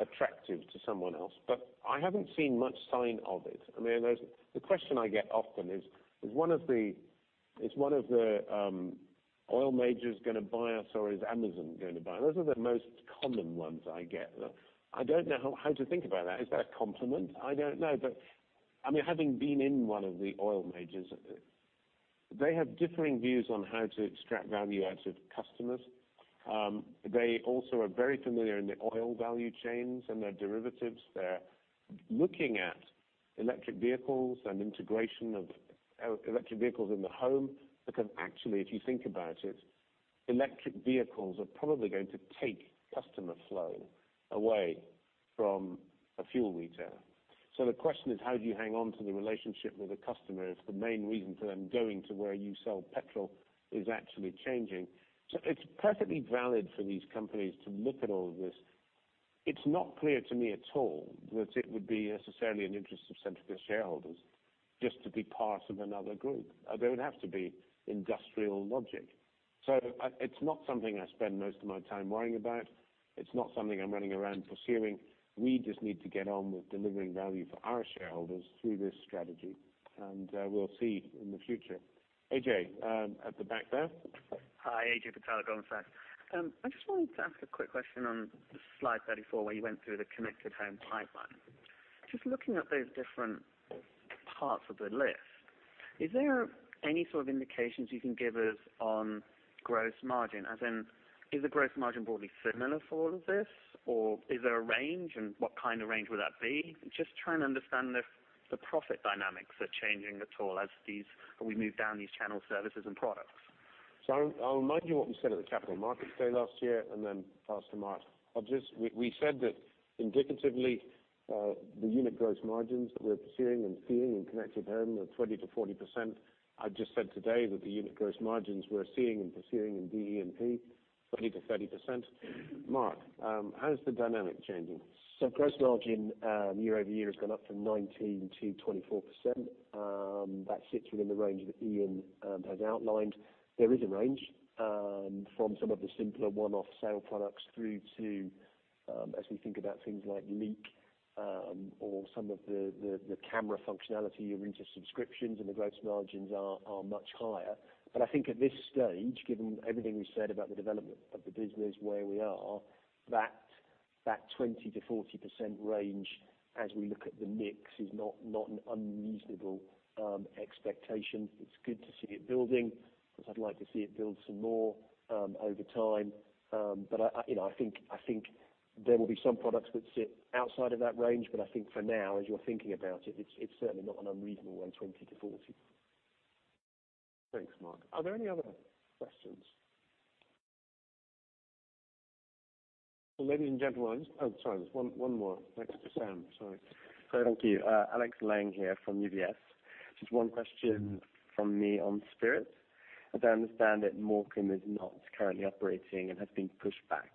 attractive to someone else, but I haven't seen much sign of it. The question I get often is one of the oil majors going to buy us or is Amazon going to buy us? Those are the most common ones I get. I don't know how to think about that. Is that a compliment? I don't know. Having been in one of the oil majors, they have differing views on how to extract value out of customers. They also are very familiar in the oil value chains and their derivatives. They're looking at electric vehicles and integration of electric vehicles in the home. Because actually, if you think about it, electric vehicles are probably going to take customer flow away from a fuel retailer. The question is, how do you hang on to the relationship with a customer if the main reason for them going to where you sell petrol is actually changing? It's perfectly valid for these companies to look at all this. It's not clear to me at all that it would be necessarily in interest of Centrica shareholders just to be part of another group. There would have to be industrial logic. It's not something I spend most of my time worrying about. It's not something I'm running around pursuing. We just need to get on with delivering value for our shareholders through this strategy, and we'll see in the future. Ajay, at the back there. Hi, Ajay from Goldman Sachs. I just wanted to ask a quick question on slide 34, where you went through the Connected Home pipeline. Just looking at those different parts of the list, is there any sort of indications you can give us on gross margin? As in, is the gross margin broadly similar for all of this, or is there a range, and what kind of range would that be? Just trying to understand if the profit dynamics are changing at all as we move down these channel services and products. I'll remind you what we said at the Capital Markets Day last year, and then pass to Mark. We said that indicatively, the unit gross margins that we're pursuing and seeing in Connected Home are 20%-40%. I've just said today that the unit gross margins we're seeing and pursuing in DE&P, 20%-30%. Mark, how is the dynamic changing? Gross margin year-over-year has gone up from 19%-24%. That sits within the range that Iain has outlined. There is a range from some of the simpler one-off sale products through to, as we think about things like Leak or some of the camera functionality, you're into subscriptions and the gross margins are much higher. I think at this stage, given everything we've said about the development of the business where we are, that 20%-40% range as we look at the mix is not an unreasonable expectation. It's good to see it building. Of course, I'd like to see it build some more over time. I think there will be some products that sit outside of that range. I think for now, as you're thinking about it's certainly not an unreasonable one, 20%-40%. Thanks, Mark. Are there any other questions? Ladies and gentlemen, there's one more. Thanks to Sam. Sorry. Thank you. Alex Lang here from UBS. Just one question from me on Spirit Energy. As I understand it, Morecambe is not currently operating and has been pushed back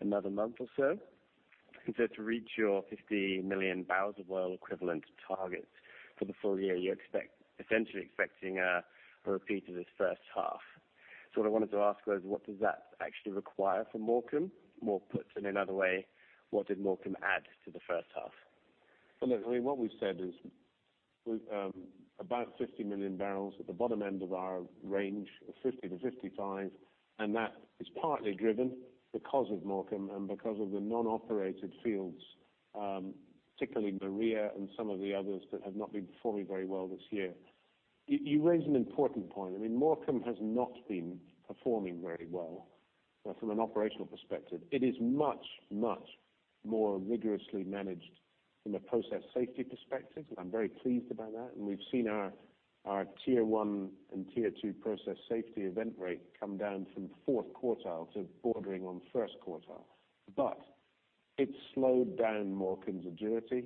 another month or so. To reach your 50 million barrels of oil equivalent targets for the full year, you're essentially expecting a repeat of this first half. What I wanted to ask was, what does that actually require from Morecambe? Or put in another way, what did Morecambe add to the first half? Well, look, what we've said is about 50 million barrels at the bottom end of our range of 50 to 55, that is partly driven because of Morecambe and because of the non-operated fields, particularly Marulk and some of the others that have not been performing very well this year. You raise an important point. Morecambe has not been performing very well from an operational perspective. It is much, much more rigorously managed from a process safety perspective. I'm very pleased about that. We've seen our tier 1 and tier 2 process safety event rate come down from fourth quartile to bordering on first quartile. It slowed down Morecambe's agility,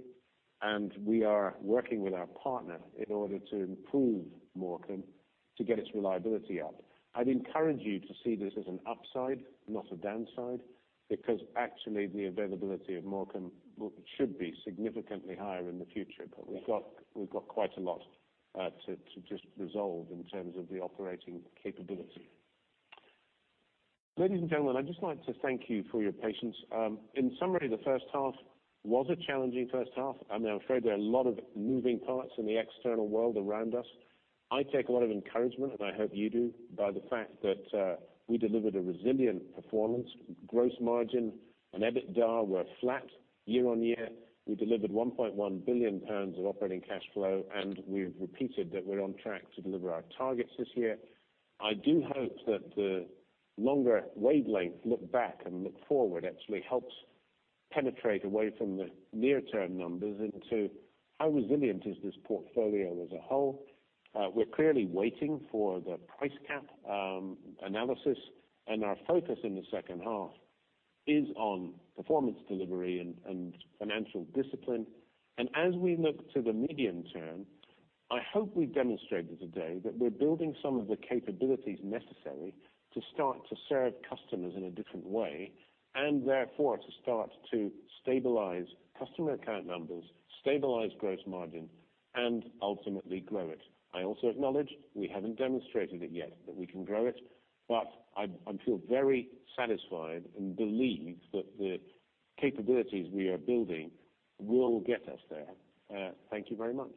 and we are working with our partner in order to improve Morecambe to get its reliability up. I'd encourage you to see this as an upside, not a downside, because actually the availability of Morecambe should be significantly higher in the future. We've got quite a lot to just resolve in terms of the operating capability. Ladies and gentlemen, I'd just like to thank you for your patience. In summary, the first half was a challenging first half. I'm afraid there are a lot of moving parts in the external world around us. I take a lot of encouragement, and I hope you do, by the fact that we delivered a resilient performance. Gross margin and EBITDA were flat year-on-year. We delivered 1.1 billion pounds of operating cash flow, we've repeated that we're on track to deliver our targets this year. I do hope that the longer wavelength look back and look forward actually helps penetrate away from the near-term numbers into how resilient is this portfolio as a whole. We're clearly waiting for the price cap analysis. Our focus in the second half is on performance delivery and financial discipline. As we look to the medium term, I hope we've demonstrated today that we're building some of the capabilities necessary to start to serve customers in a different way, and therefore to start to stabilize customer account numbers, stabilize gross margin, and ultimately grow it. I also acknowledge we haven't demonstrated it yet that we can grow it, but I feel very satisfied and believe that the capabilities we are building will get us there. Thank you very much